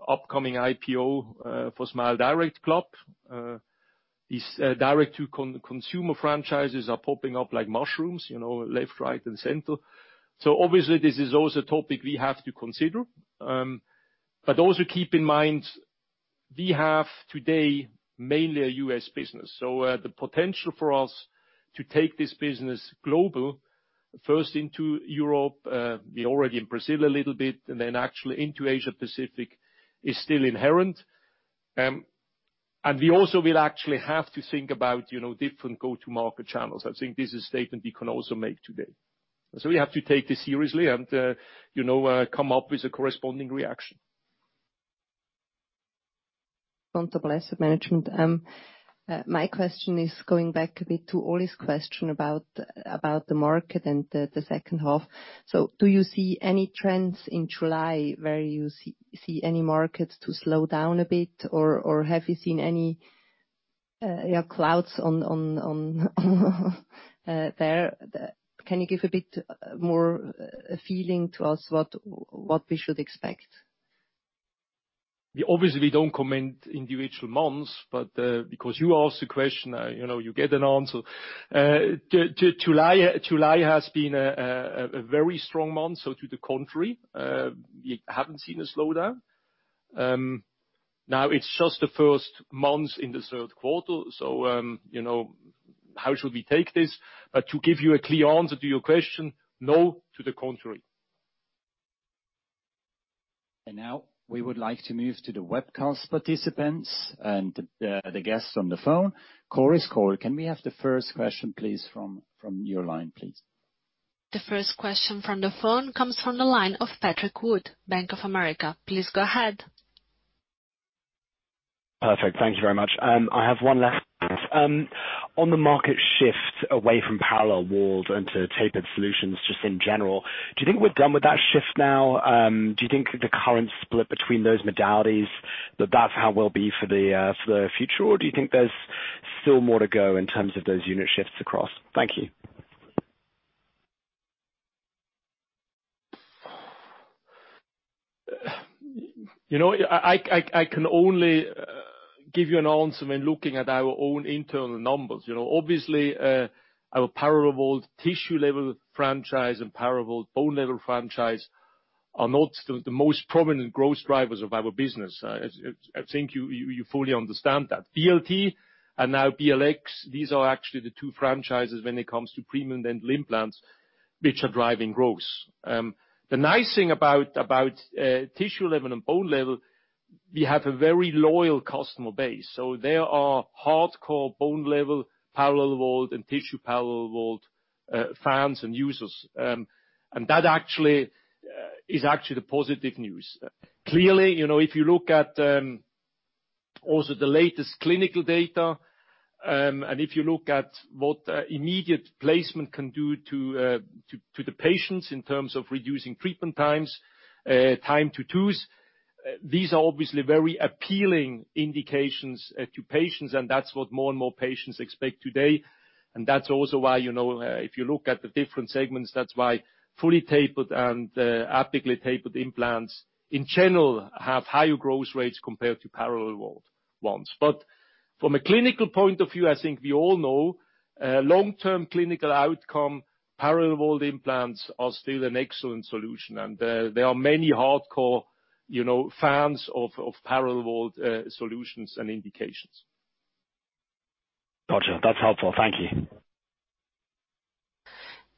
upcoming IPO for SmileDirectClub. These direct to consumer franchises are popping up like mushrooms, left, right, and center. Obviously this is also a topic we have to consider. Also keep in mind, we have today mainly a U.S. business. The potential for us to take this business global, first into Europe, we're already in Brazil a little bit, and then actually into Asia Pacific, is still inherent. We also will actually have to think about different go-to market channels. I think this is a statement we can also make today. We have to take this seriously and come up with a corresponding reaction. Vontobel Asset Management. My question is going back a bit to Oli's question about the market and the H2. Do you see any trends in July where you see any markets to slow down a bit? Have you seen any clouds there? Can you give a bit more feeling to us what we should expect? We don't comment individual months. Because you asked the question, you get an answer. July has been a very strong month. To the contrary, we haven't seen a slowdown. It's just the first month in the Q3. How should we take this? To give you a clear answer to your question, no, to the contrary. Now we would like to move to the webcast participants and the guests on the phone. Chorus Call, can we have the first question, please, from your line? The first question from the phone comes from the line of Patrick Wood, Bank of America. Please go ahead. Perfect. Thank you very much. I have one last question. On the market shift away from parallel walls into tapered solutions just in general, do you think we're done with that shift now? Do you think the current split between those modalities, that's how it will be for the future, or do you think there's still more to go in terms of those unit shifts across? Thank you. I can only give you an answer when looking at our own internal numbers. Obviously, our parallel-walled tissue-level franchise and parallel-walled bone-level franchise are not the most prominent growth drivers of our business. I think you fully understand that. BLT and now BLX, these are actually the two franchises when it comes to premium dental implants which are driving growth. The nice thing about tissue-level and bone-level, we have a very loyal customer base. There are hardcore bone-level parallel-walled and tissue parallel-Walled fans and users. That is actually the positive news. Clearly, if you look at also the latest clinical data, if you look at what immediate placement can do to the patients in terms of reducing treatment times, time to teeth, these are obviously very appealing indications to patients, and that's what more and more patients expect today. That's also why, if you look at the different segments, that's why fully tapered and apically tapered implants in general have higher growth rates compared to parallel-walled ones. From a clinical point of view, I think we all know long-term clinical outcome, parallel-walled implants are still an excellent solution, and there are many hardcore fans of parallel-walled solutions and indications. Got you. That is helpful. Thank you.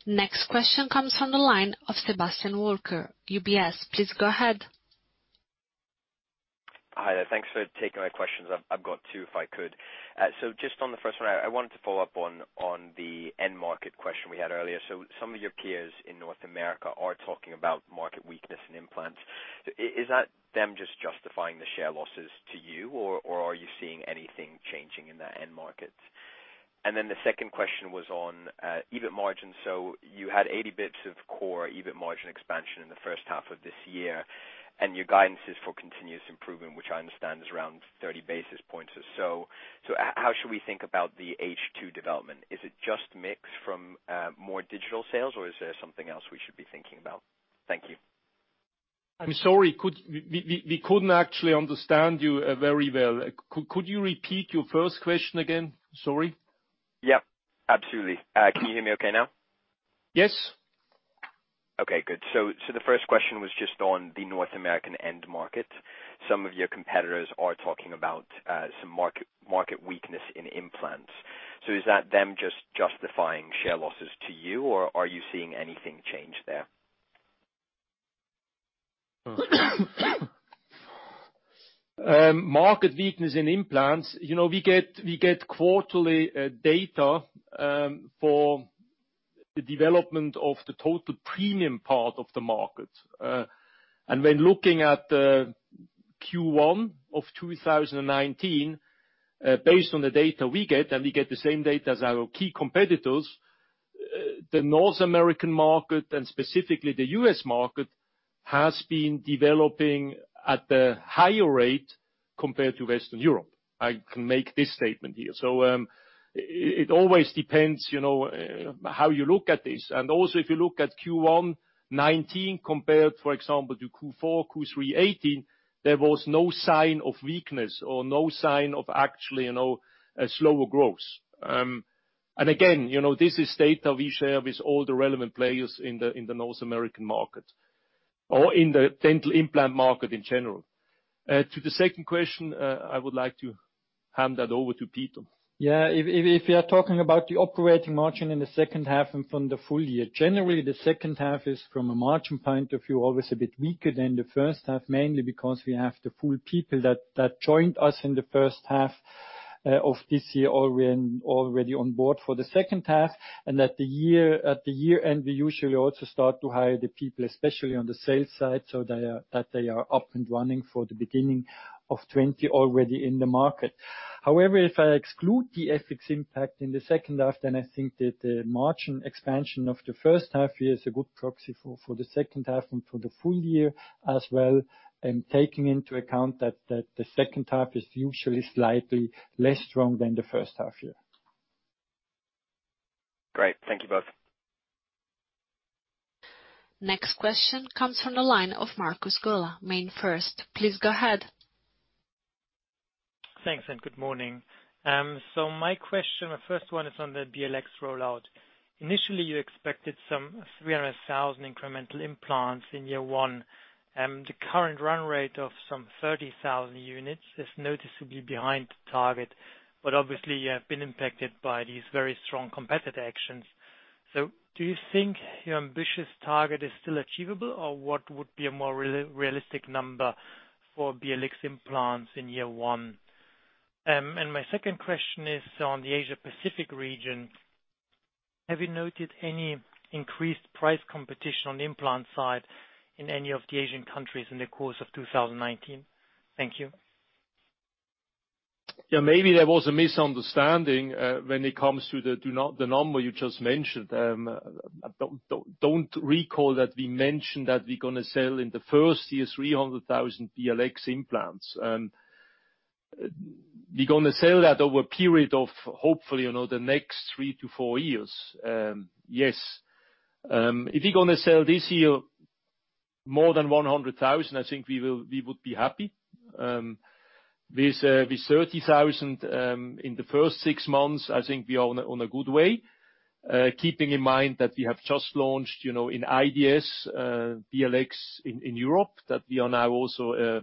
Next question comes from the line of Sebastian Walker, UBS. Please go ahead. Hi there. Thanks for taking my questions. I've got two, if I could. Just on the first one, I wanted to follow up on the end market question we had earlier. Some of your peers in North America are talking about market weakness in implants. Is that them just justifying the share losses to you, or are you seeing anything changing in the end markets? The second question was on EBIT margin. You had 80 basis points of core EBIT margin expansion in the H1 of this year, and your guidance is for continuous improvement, which I understand is around 30 basis points or so. How should we think about the H2 development? Is it just mix from more digital sales, or is there something else we should be thinking about? Thank you. I'm sorry. We couldn't actually understand you very well. Could you repeat your first question again? Sorry. Yep, absolutely. Can you hear me okay now? Yes. Okay, good. The first question was just on the North American end market. Some of your competitors are talking about some market weakness in implants. Is that them just justifying share losses to you, or are you seeing anything change there? Market weakness in implants, we get quarterly data for the development of the total premium part of the market. When looking at the Q1 of 2019, based on the data we get, and we get the same data as our key competitors, the North American market, and specifically the U.S. market, has been developing at a higher rate compared to Western Europe. I can make this statement here. It always depends how you look at this. Also, if you look at Q1 2019 compared, for example, to Q4, Q3 2018, there was no sign of weakness or no sign of actually a slower growth. Again, this is data we share with all the relevant players in the North American market or in the dental implant market in general. To the second question, I would like to hand that over to Peter. Yeah. If you are talking about the operating margin in the H2 and from the full year, generally, the H2 is, from a margin point of view, always a bit weaker than the H1, mainly because we have the full people that joined us in the H1 of this year already on board for the H2, and at the year end, we usually also start to hire the people, especially on the sales side, so that they are up and running for the beginning of 2020 already in the market. If I exclude the FX impact in the H2, I think that the margin expansion of the H1 year is a good proxy for the H2 and for the full year as well, taking into account that the H2 is usually slightly less strong than the H1 year. Great. Thank you both. Next question comes from the line of Markus Gola, MainFirst. Please go ahead. Thanks. Good morning. My question, my first one is on the BLX rollout. Initially, you expected some 300,000 incremental implants in year one. The current run rate of some 30,000 units is noticeably behind target, but obviously you have been impacted by these very strong competitor actions. Do you think your ambitious target is still achievable? What would be a more realistic number for BLX implants in year one? My second question is on the Asia-Pacific region. Have you noted any increased price competition on the implant side in any of the Asian countries in the course of 2019? Thank you. Yeah. Maybe there was a misunderstanding, when it comes to the number you just mentioned. I don't recall that we mentioned that we're going to sell in the first year 300,000 BLX implants. We're going to sell that over a period of hopefully the next three to four years. Yes. If we're going to sell this year more than 100,000, I think we would be happy. With 30,000 in the first six months, I think we are on a good way. Keeping in mind that we have just launched, in IDS, BLX in Europe, that we are now also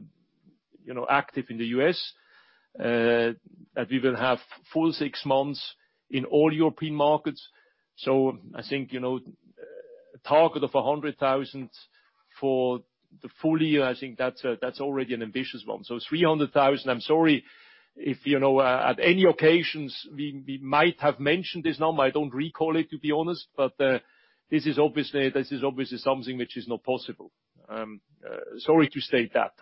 active in the U.S., that we will have full six months in all European markets. I think, target of 100,000 for the full year, I think that's already an ambitious one. 300,000, I'm sorry if at any occasions we might have mentioned this number. I don't recall it, to be honest. This is obviously something which is not possible. Sorry to state that.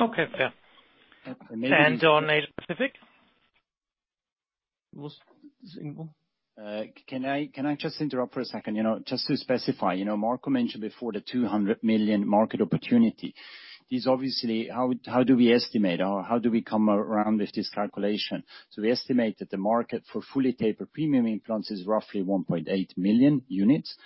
Okay. Fair. On Asia Pacific? Can I just interrupt for a second? Just to specify, Marco mentioned before the 200 million market opportunity. These obviously, how do we estimate or how do we come around with this calculation? We estimate that the market for fully tapered premium implants is roughly 1.8 million units,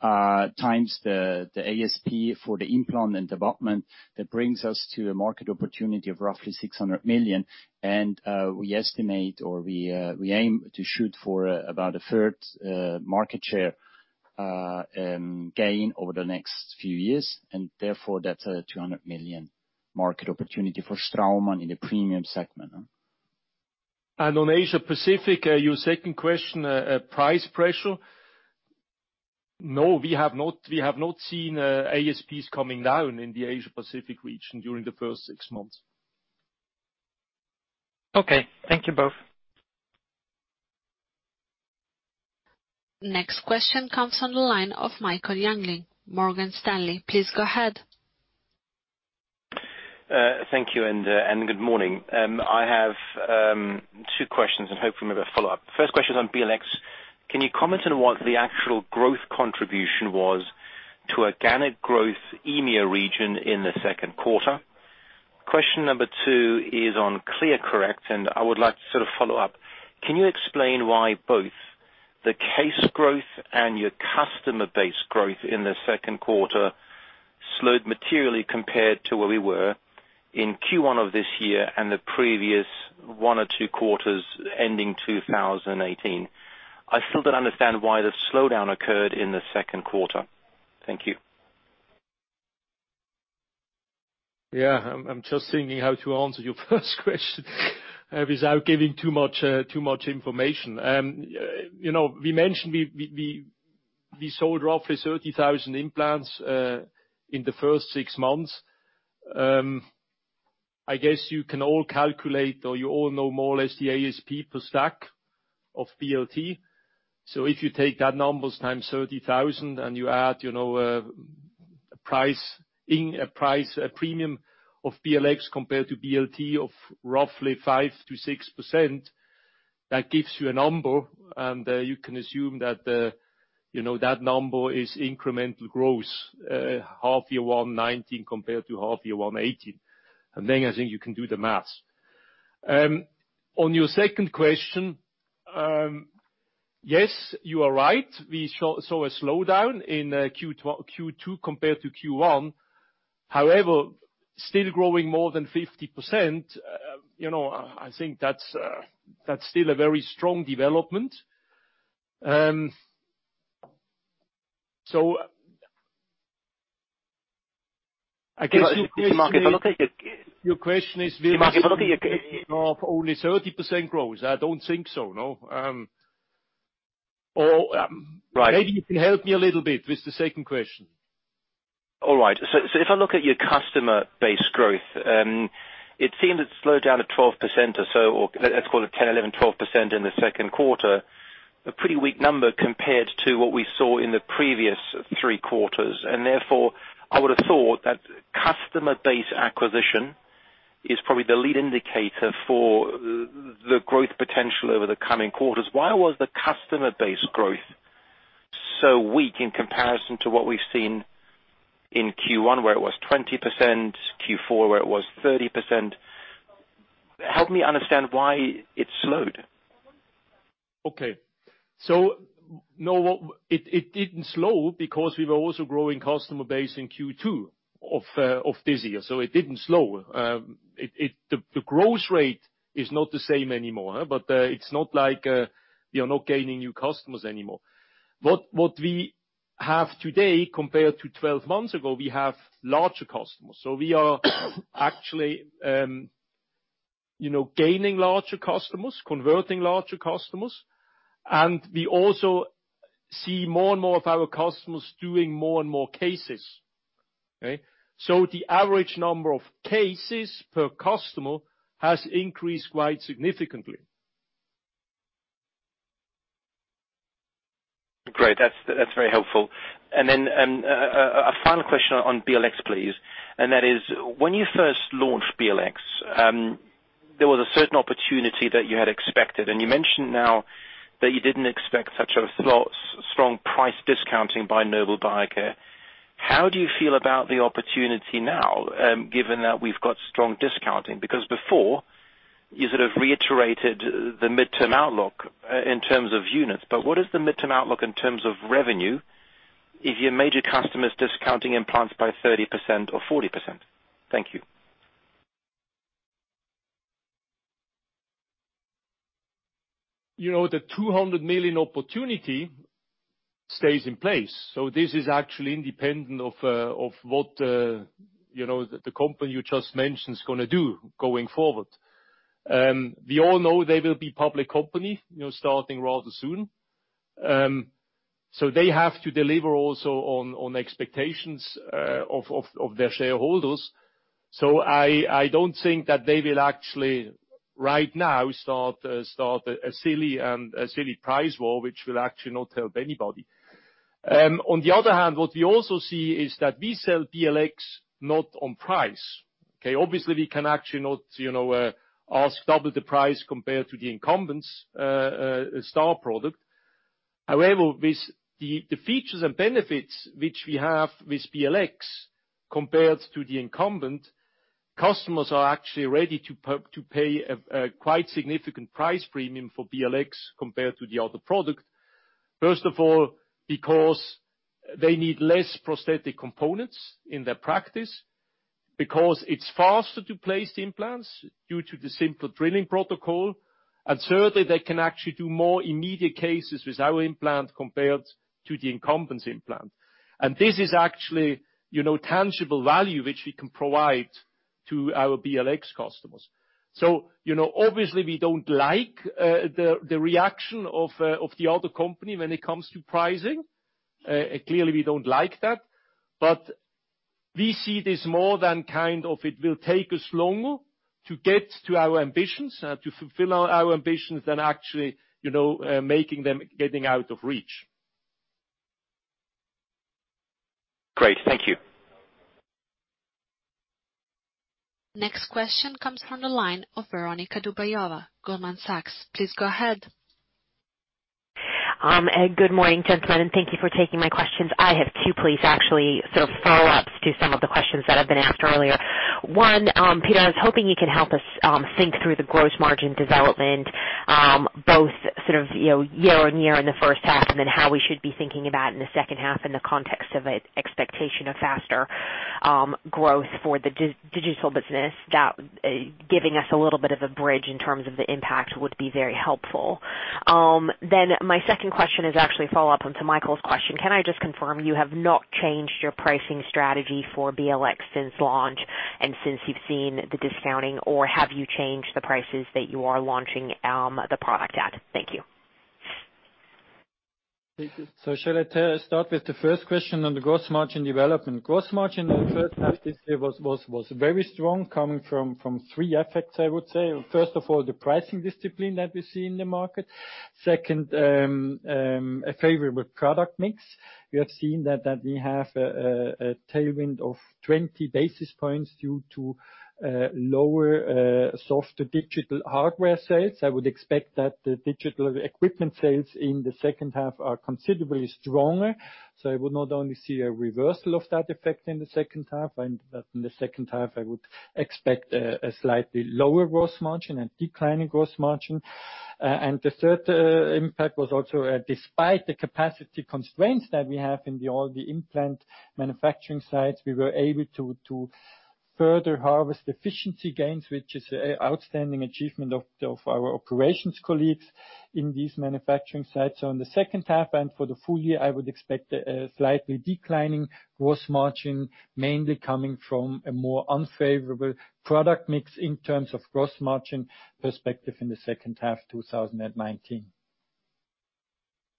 times the ASP for the implant and abutment. That brings us to a market opportunity of roughly 600 million, we estimate or we aim to shoot for about a third market share gain over the next few years. Therefore, that's a 200 million market opportunity for Straumann in the premium segment. On Asia Pacific, your second question, price pressure. No. We have not seen ASPs coming down in the Asia Pacific region during the first six months. Okay. Thank you both. Next question comes on the line of Michael Jüngling, Morgan Stanley. Please go ahead. Thank you, good morning. I have two questions, and hopefully we have a follow-up. First question is on BLX. Can you comment on what the actual growth contribution was to organic growth EMEA region in the Q2? Question number two is on ClearCorrect, and I would like to sort of follow up. Can you explain why both the case growth and your customer base growth in the Q2 slowed materially compared to where we were in Q1 of this year and the previous one or two quarters ending 2018? I still don't understand why the slowdown occurred in the Q2. Thank you. Yeah. I am just thinking how to answer your first question without giving too much information. We mentioned we sold roughly 30,000 implants in the first six months. I guess you can all calculate or you all know more or less the ASP per stack of BLT. If you take that numbers times 30,000 and you add a price premium of BLX compared to BLT of roughly 5%-6%, that gives you a number, and you can assume that number is incremental growth, H1 2019 compared to H1 2018. I think you can do the math. On your second question. Yes, you are right. We saw a slowdown in Q2 compared to Q1. However, still growing more than 50%, I think that is still a very strong development. I guess. Is the market going to take it? Your question is very <crosstalk> of only 30% growth. I don't think so, no. Right maybe you can help me a little bit with the second question. All right. If I look at your customer base growth, it seemed it slowed down to 12% or so, or let's call it 10%, 11%, 12% in the Q2. A pretty weak number compared to what we saw in the previous three quarters. Therefore, I would have thought that customer base acquisition is probably the lead indicator for the growth potential over the coming quarters. Why was the customer base growth so weak in comparison to what we've seen in Q1, where it was 20%, Q4, where it was 30%? Help me understand why it slowed. Okay. No, it didn't slow because we were also growing customer base in Q2 of this year. It didn't slow. The growth rate is not the same anymore, it's not like we are not gaining new customers anymore. What we have today compared to 12 months ago, we have larger customers. We are actually gaining larger customers, converting larger customers, and we also see more and more of our customers doing more and more cases. The average number of cases per customer has increased quite significantly. Great. That's very helpful. A final question on BLX, please. That is, when you first launched BLX, there was a certain opportunity that you had expected, and you mentioned now that you didn't expect such a strong price discounting by Nobel Biocare. How do you feel about the opportunity now, given that we've got strong discounting? Before, you sort of reiterated the midterm outlook in terms of units, but what is the midterm outlook in terms of revenue if your major customer's discounting implants by 30% or 40%? Thank you. The 200 million opportunity stays in place. This is actually independent of what the company you just mentioned is going to do going forward. We all know they will be public company starting rather soon. They have to deliver also on expectations of their shareholders. I don't think that they will actually, right now, start a silly price war, which will actually not help anybody. On the other hand, what we also see is that we sell BLX not on price. Okay? Obviously, we can actually not ask double the price compared to the incumbents star product. However, with the features and benefits which we have with BLX compared to the incumbent, customers are actually ready to pay a quite significant price premium for BLX compared to the other product. First of all, because they need less prosthetic components in their practice, because it's faster to place the implants due to the simpler drilling protocol. Thirdly, they can actually do more immediate cases with our implant compared to the incumbent's implant. This is actually tangible value which we can provide to our BLX customers. Obviously we don't like the reaction of the other company when it comes to pricing. Clearly, we don't like that, but we see this more than it will take us longer to get to our ambitions, to fulfill our ambitions than actually getting out of reach. Great. Thank you. Next question comes from the line of Veronika Dubajova, Goldman Sachs. Please go ahead. Good morning, gentlemen. Thank you for taking my questions. I have two, please, actually sort of follow-ups to some of the questions that have been asked earlier. One, Peter, I was hoping you could help us think through the gross margin development, both year-over-year in the H1, and then how we should be thinking about in the H2 in the context of expectation of faster growth for the digital business. That giving us a little bit of a bridge in terms of the impact would be very helpful. My second question is actually a follow-up onto Michael's question. Can I just confirm you have not changed your pricing strategy for BLX since launch and since you've seen the discounting, or have you changed the prices that you are launching the product at? Thank you. Shall I start with the first question on the gross margin development? Gross margin in the H1 this year was very strong, coming from three effects, I would say. First of all, the pricing discipline that we see in the market. Second, a favorable product mix. We have seen that we have a tailwind of 20 basis points due to lower, softer digital hardware sales. I would expect that the digital equipment sales in the H2 are considerably stronger. I would not only see a reversal of that effect in the H2, and that in the H2, I would expect a slightly lower gross margin and declining gross margin. The third impact was also despite the capacity constraints that we have in all the implant manufacturing sites, we were able to further harvest efficiency gains, which is outstanding achievement of our operations colleagues in these manufacturing sites. In the H2 and for the full year, I would expect a slightly declining gross margin, mainly coming from a more unfavorable product mix in terms of gross margin perspective in the H2 2019.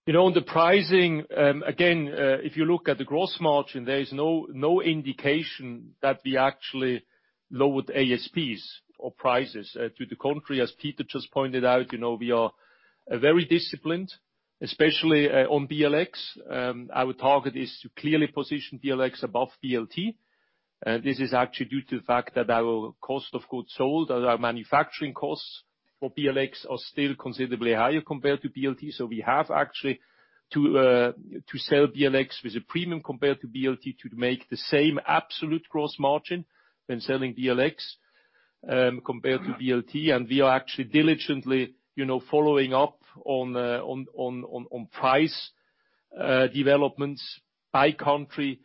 On the pricing, again, if you look at the gross margin, there is no indication that we actually lowered ASPs or prices. To the contrary, as Peter just pointed out, we are very disciplined, especially on BLX. Our target is to clearly position BLX above BLT. This is actually due to the fact that our cost of goods sold or our manufacturing costs for BLX are still considerably higher compared to BLT. We have actually to sell BLX with a premium compared to BLT to make the same absolute gross margin when selling BLX compared to BLT. We are actually diligently following up on price developments by country,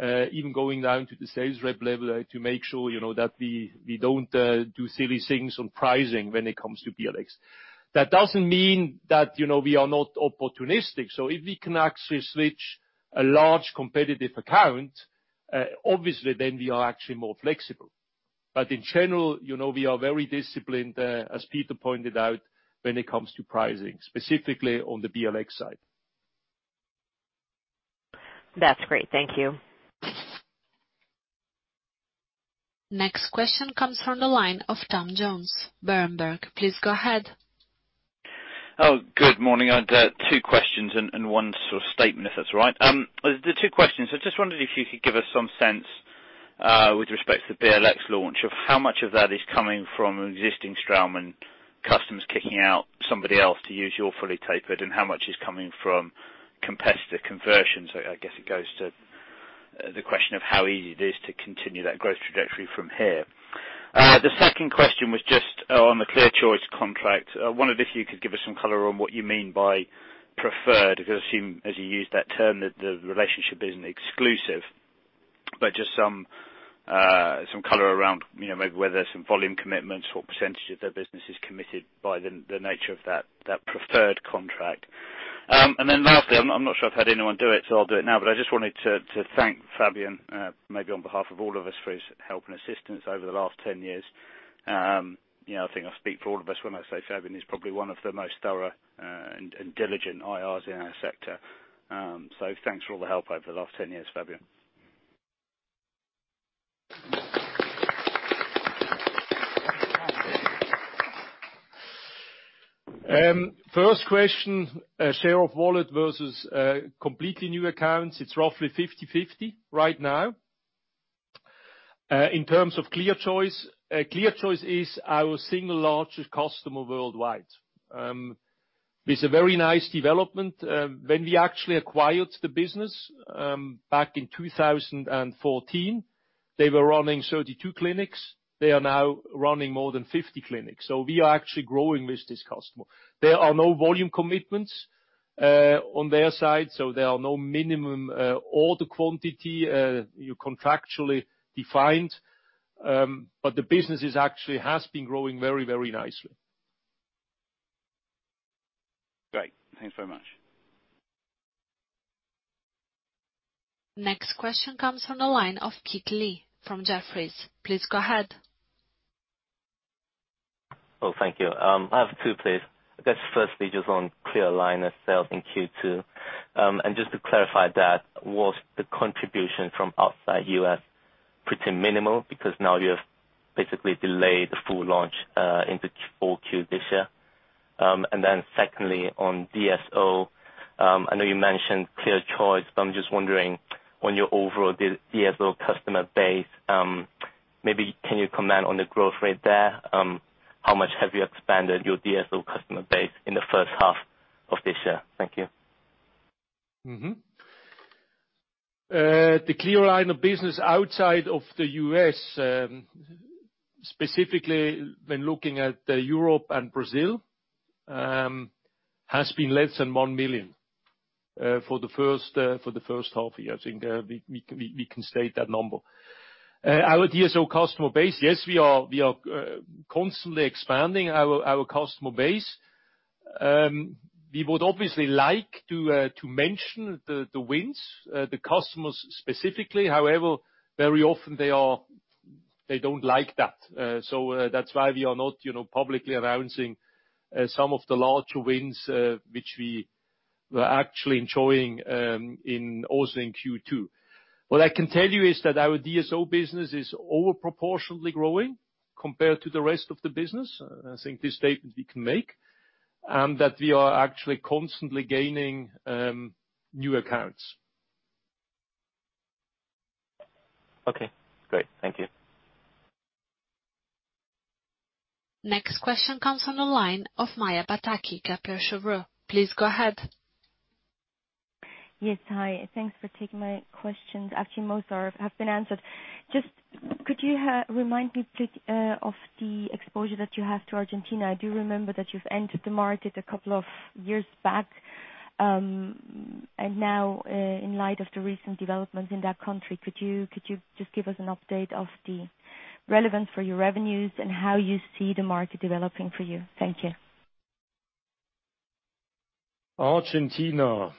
even going down to the sales rep level to make sure that we don't do silly things on pricing when it comes to BLX. That doesn't mean that we are not opportunistic. If we can actually switch a large competitive account, obviously then we are actually more flexible. In general, we are very disciplined, as Peter pointed out, when it comes to pricing, specifically on the BLX side. That's great. Thank you. Next question comes from the line of Tom Jones, Berenberg. Please go ahead. Oh, good morning. I've two questions and one sort of statement, if that's all right. The two questions. I just wondered if you could give us some sense, with respect to the BLX launch, of how much of that is coming from existing Straumann customers kicking out somebody else to use your fully tapered, and how much is coming from competitive conversions. I guess it goes to the question of how easy it is to continue that growth trajectory from here. The second question was just on the ClearChoice contract. I wondered if you could give us some color on what you mean by preferred, because I assume, as you used that term, that the relationship isn't exclusive. Just some color around maybe whether there's some volume commitments, what percentages of their business is committed by the nature of that preferred contract. Lastly, I'm not sure if I've heard anyone do it, so I'll do it now, but I just wanted to thank Fabian, maybe on behalf of all of us, for his help and assistance over the last 10 years. I think I speak for all of us when I say Fabian is probably one of the most thorough and diligent IRs in our sector. Thanks for all the help over the last 10 years, Fabian. First question, share of wallet versus completely new accounts. It's roughly 50/50 right now. In terms of ClearChoice is our single largest customer worldwide. It's a very nice development. When we actually acquired the business back in 2014, they were running 32 clinics. They are now running more than 50 clinics. We are actually growing with this customer. There are no volume commitments on their side, so there are no minimum order quantity contractually defined. The business actually has been growing very, very nicely. Great. Thanks very much. Next question comes from the line of Kit Lee from Jefferies. Please go ahead. Oh, thank you. I have two, please. I guess firstly just on ClearAligner sales in Q2. Just to clarify that, was the contribution from outside U.S. pretty minimal? Now you have basically delayed the full launch into full Q this year. Secondly, on DSO, I know you mentioned ClearChoice, but I'm just wondering on your overall D-DSO customer base, maybe can you comment on the growth rate there? How much have you expanded your DSO customer base in the H1 of this year? Thank you. Mm-hmm. The ClearAligner business outside of the U.S., specifically when looking at Europe and Brazil, has been less than 1 million for the H1-year. I think we can state that number. Our DSO customer base, yes, we are constantly expanding our customer base. We would obviously like to mention the wins, the customers specifically. However, very often they don't like that. That's why we are not publicly announcing some of the larger wins, which we were actually enjoying also in Q2. What I can tell you is that our DSO business is over-proportionately growing compared to the rest of the business. I think this statement we can make, and that we are actually constantly gaining new accounts. Okay, great. Thank you. Next question comes from the line of Maja Pataki, Kepler Cheuvreux. Please go ahead. Yes. Hi. Thanks for taking my questions. Actually, most have been answered. Just could you remind me, please, of the exposure that you have to Argentina? I do remember that you've entered the market a couple of years back. Now, in light of the recent developments in that country, could you just give us an update of the relevance for your revenues and how you see the market developing for you? Thank you. Argentina.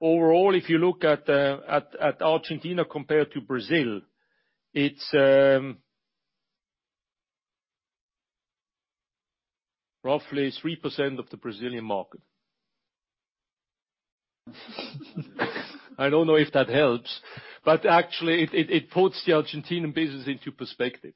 Hmm? Overall, if you look at Argentina compared to Brazil, it's roughly 3% of the Brazilian market. I don't know if that helps, but actually it puts the Argentinian business into perspective.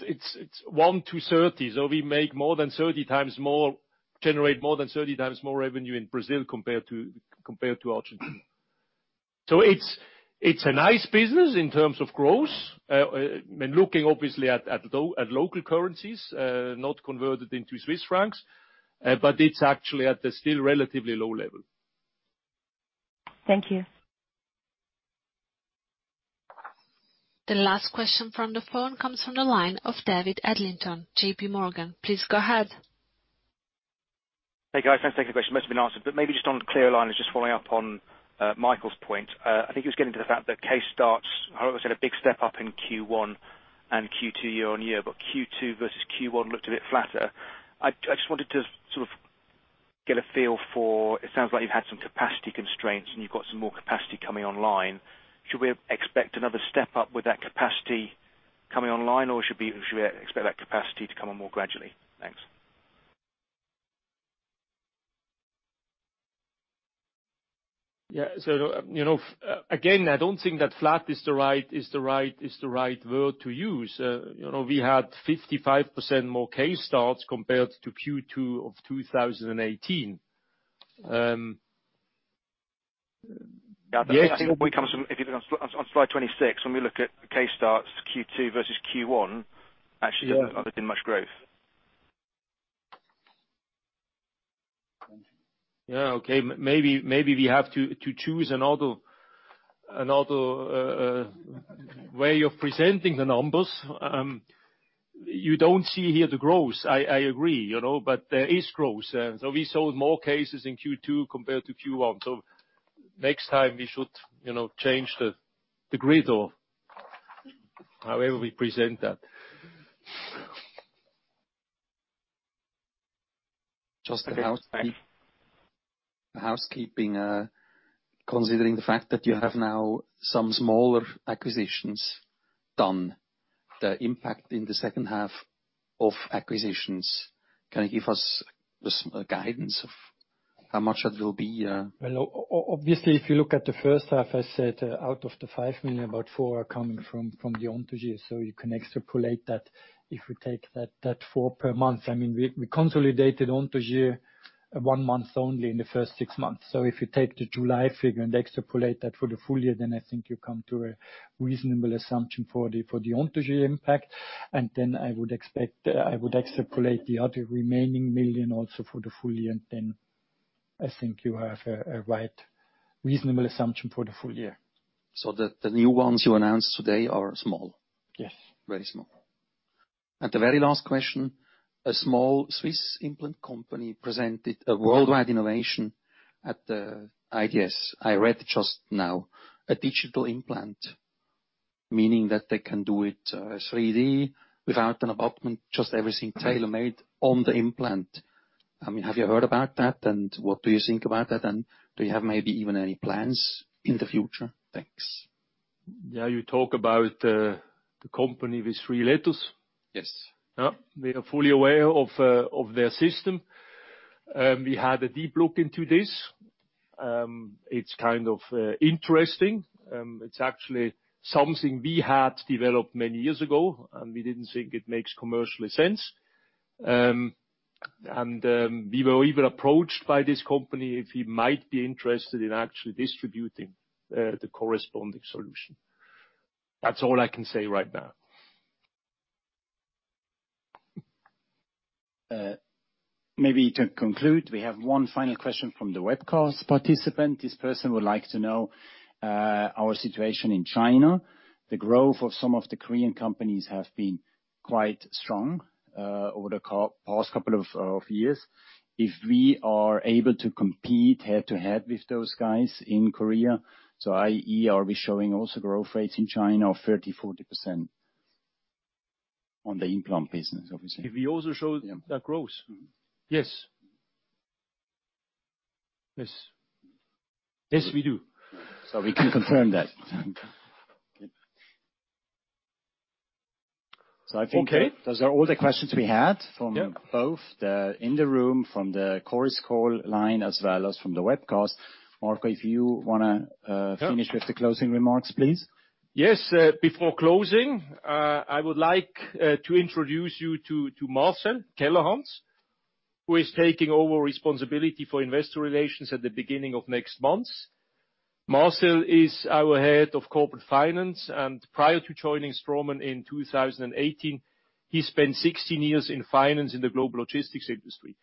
It's one to 30. We make more than 30 times more, generate more than 30 times more revenue in Brazil compared to Argentina. Looking obviously at local currencies, not converted into Swiss francs, but it's actually at a still relatively low level. Thank you. The last question from the phone comes from the line of David Adlington, JPMorgan. Please go ahead. Hey, guys. Thanks. The question must've been answered, maybe just on ClearAligner, just following up on Michael's point. I think he was getting to the fact that Case starts, I heard it was in a big step-up in Q1 and Q2 year-on-year, Q2 versus Q1 looked a bit flatter. I just wanted to get a feel for, it sounds like you've had some capacity constraints and you've got some more capacity coming online. Should we expect another step up with that capacity coming online, or should we expect that capacity to come on more gradually? Thanks. Yeah. Again, I don't think that flat is the right word to use. We had 55% more case starts compared to Q2 of 2018. Yeah. I think what comes from, if you look on slide 26, when we look at case starts Q2 versus Q1, actually hasn't been much growth. Yeah. Okay. Maybe we have to choose another way of presenting the numbers. You don't see here the growth. I agree, but there is growth. We sold more cases in Q2 compared to Q1. Next time we should change the grid, or however we present that. Just a housekeeping, considering the fact that you have now some smaller acquisitions done, the impact in the H2 of acquisitions, can you give us a guidance of how much that will be? Obviously, if you look at the H1, I said out of the 5 million, about 4 million are coming from Anthogyr. You can extrapolate that if we take that 4 million per month. We consolidated Anthogyr one month only in the first six months. If you take the July figure and extrapolate that for the full year, I think you come to a reasonable assumption for the Anthogyr impact. I would extrapolate the other remaining 1 million also for the full year. I think you have a right, reasonable assumption for the full year. The new ones you announced today are small? Yes. Very small. The very last question, a small Swiss implant company presented a worldwide innovation at the IDS. I read just now a digital implant, meaning that they can do it 3D without an abutment, just everything tailor-made on the implant. Have you heard about that, what do you think about that, do you have maybe even any plans in the future? Thanks. Yeah. You talk about the company with three letters? Yes. We are fully aware of their system. We had a deep look into this. It's kind of interesting. It's actually something we had developed many years ago, and we didn't think it makes commercial sense. We were even approached by this company if we might be interested in actually distributing the corresponding solution. That's all I can say right now. Maybe to conclude, we have one final question from the webcast participant. This person would like to know our situation in China. The growth of some of the Korean companies have been quite strong over the past couple of years. If we are able to compete head-to-head with those guys in Korea, so i.e., are we showing also growth rates in China of 30%, 40% on the implant business, obviously? If we also show that growth? Yes. Yes. Yes, we do. We can confirm that. Okay. Okay. Those are all the questions we had from both in the room, from the Chorus Call line, as well as from the webcast. Marco, if you want to finish with the closing remarks, please. Yes. Before closing, I would like to introduce you to Marcel Kellerhals, who is taking over responsibility for investor relations at the beginning of next month. Marcel is our head of corporate finance, prior to joining Straumann in 2018, he spent 16 years in finance in the global logistics industry.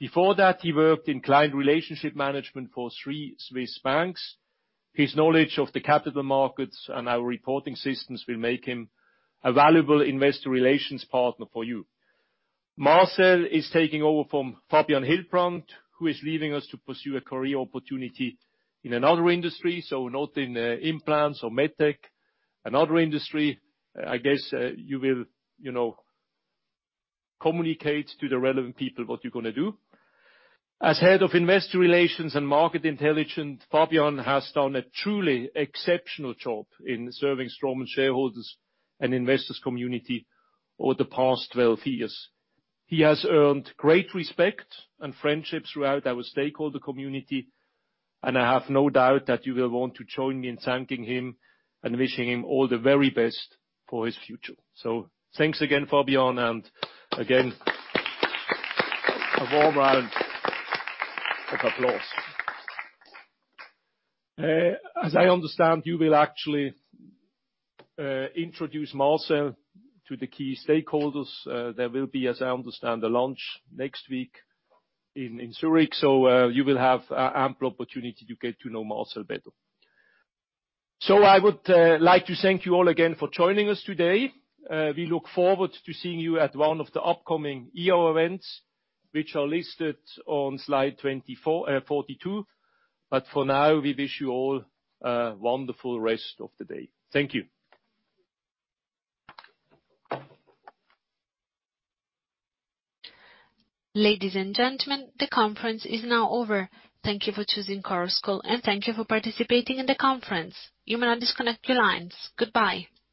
Before that, he worked in client relationship management for three Swiss banks. His knowledge of the capital markets and our reporting systems will make him a valuable investor relations partner for you. Marcel is taking over from Fabian Hildbrand, who is leaving us to pursue a career opportunity in another industry, so not in implants or med tech, another industry. I guess you will communicate to the relevant people what you're going to do. As head of investor relations and market intelligence, Fabian has done a truly exceptional job in serving Straumann shareholders and investors community over the past 12 years. He has earned great respect and friendship throughout our stakeholder community, and I have no doubt that you will want to join me in thanking him and wishing him all the very best for his future. Thanks again, Fabian, and again, a warm round of applause. As I understand, you will actually introduce Marcel to the key stakeholders. There will be, as I understand, a launch next week in Zurich. You will have ample opportunity to get to know Marcel better. I would like to thank you all again for joining us today. We look forward to seeing you at one of the upcoming IR events, which are listed on slide 42. For now, we wish you all a wonderful rest of the day. Thank you. Ladies and gentlemen, the conference is now over. Thank you for choosing Chorus Call, and thank you for participating in the conference. You may now disconnect your lines. Goodbye.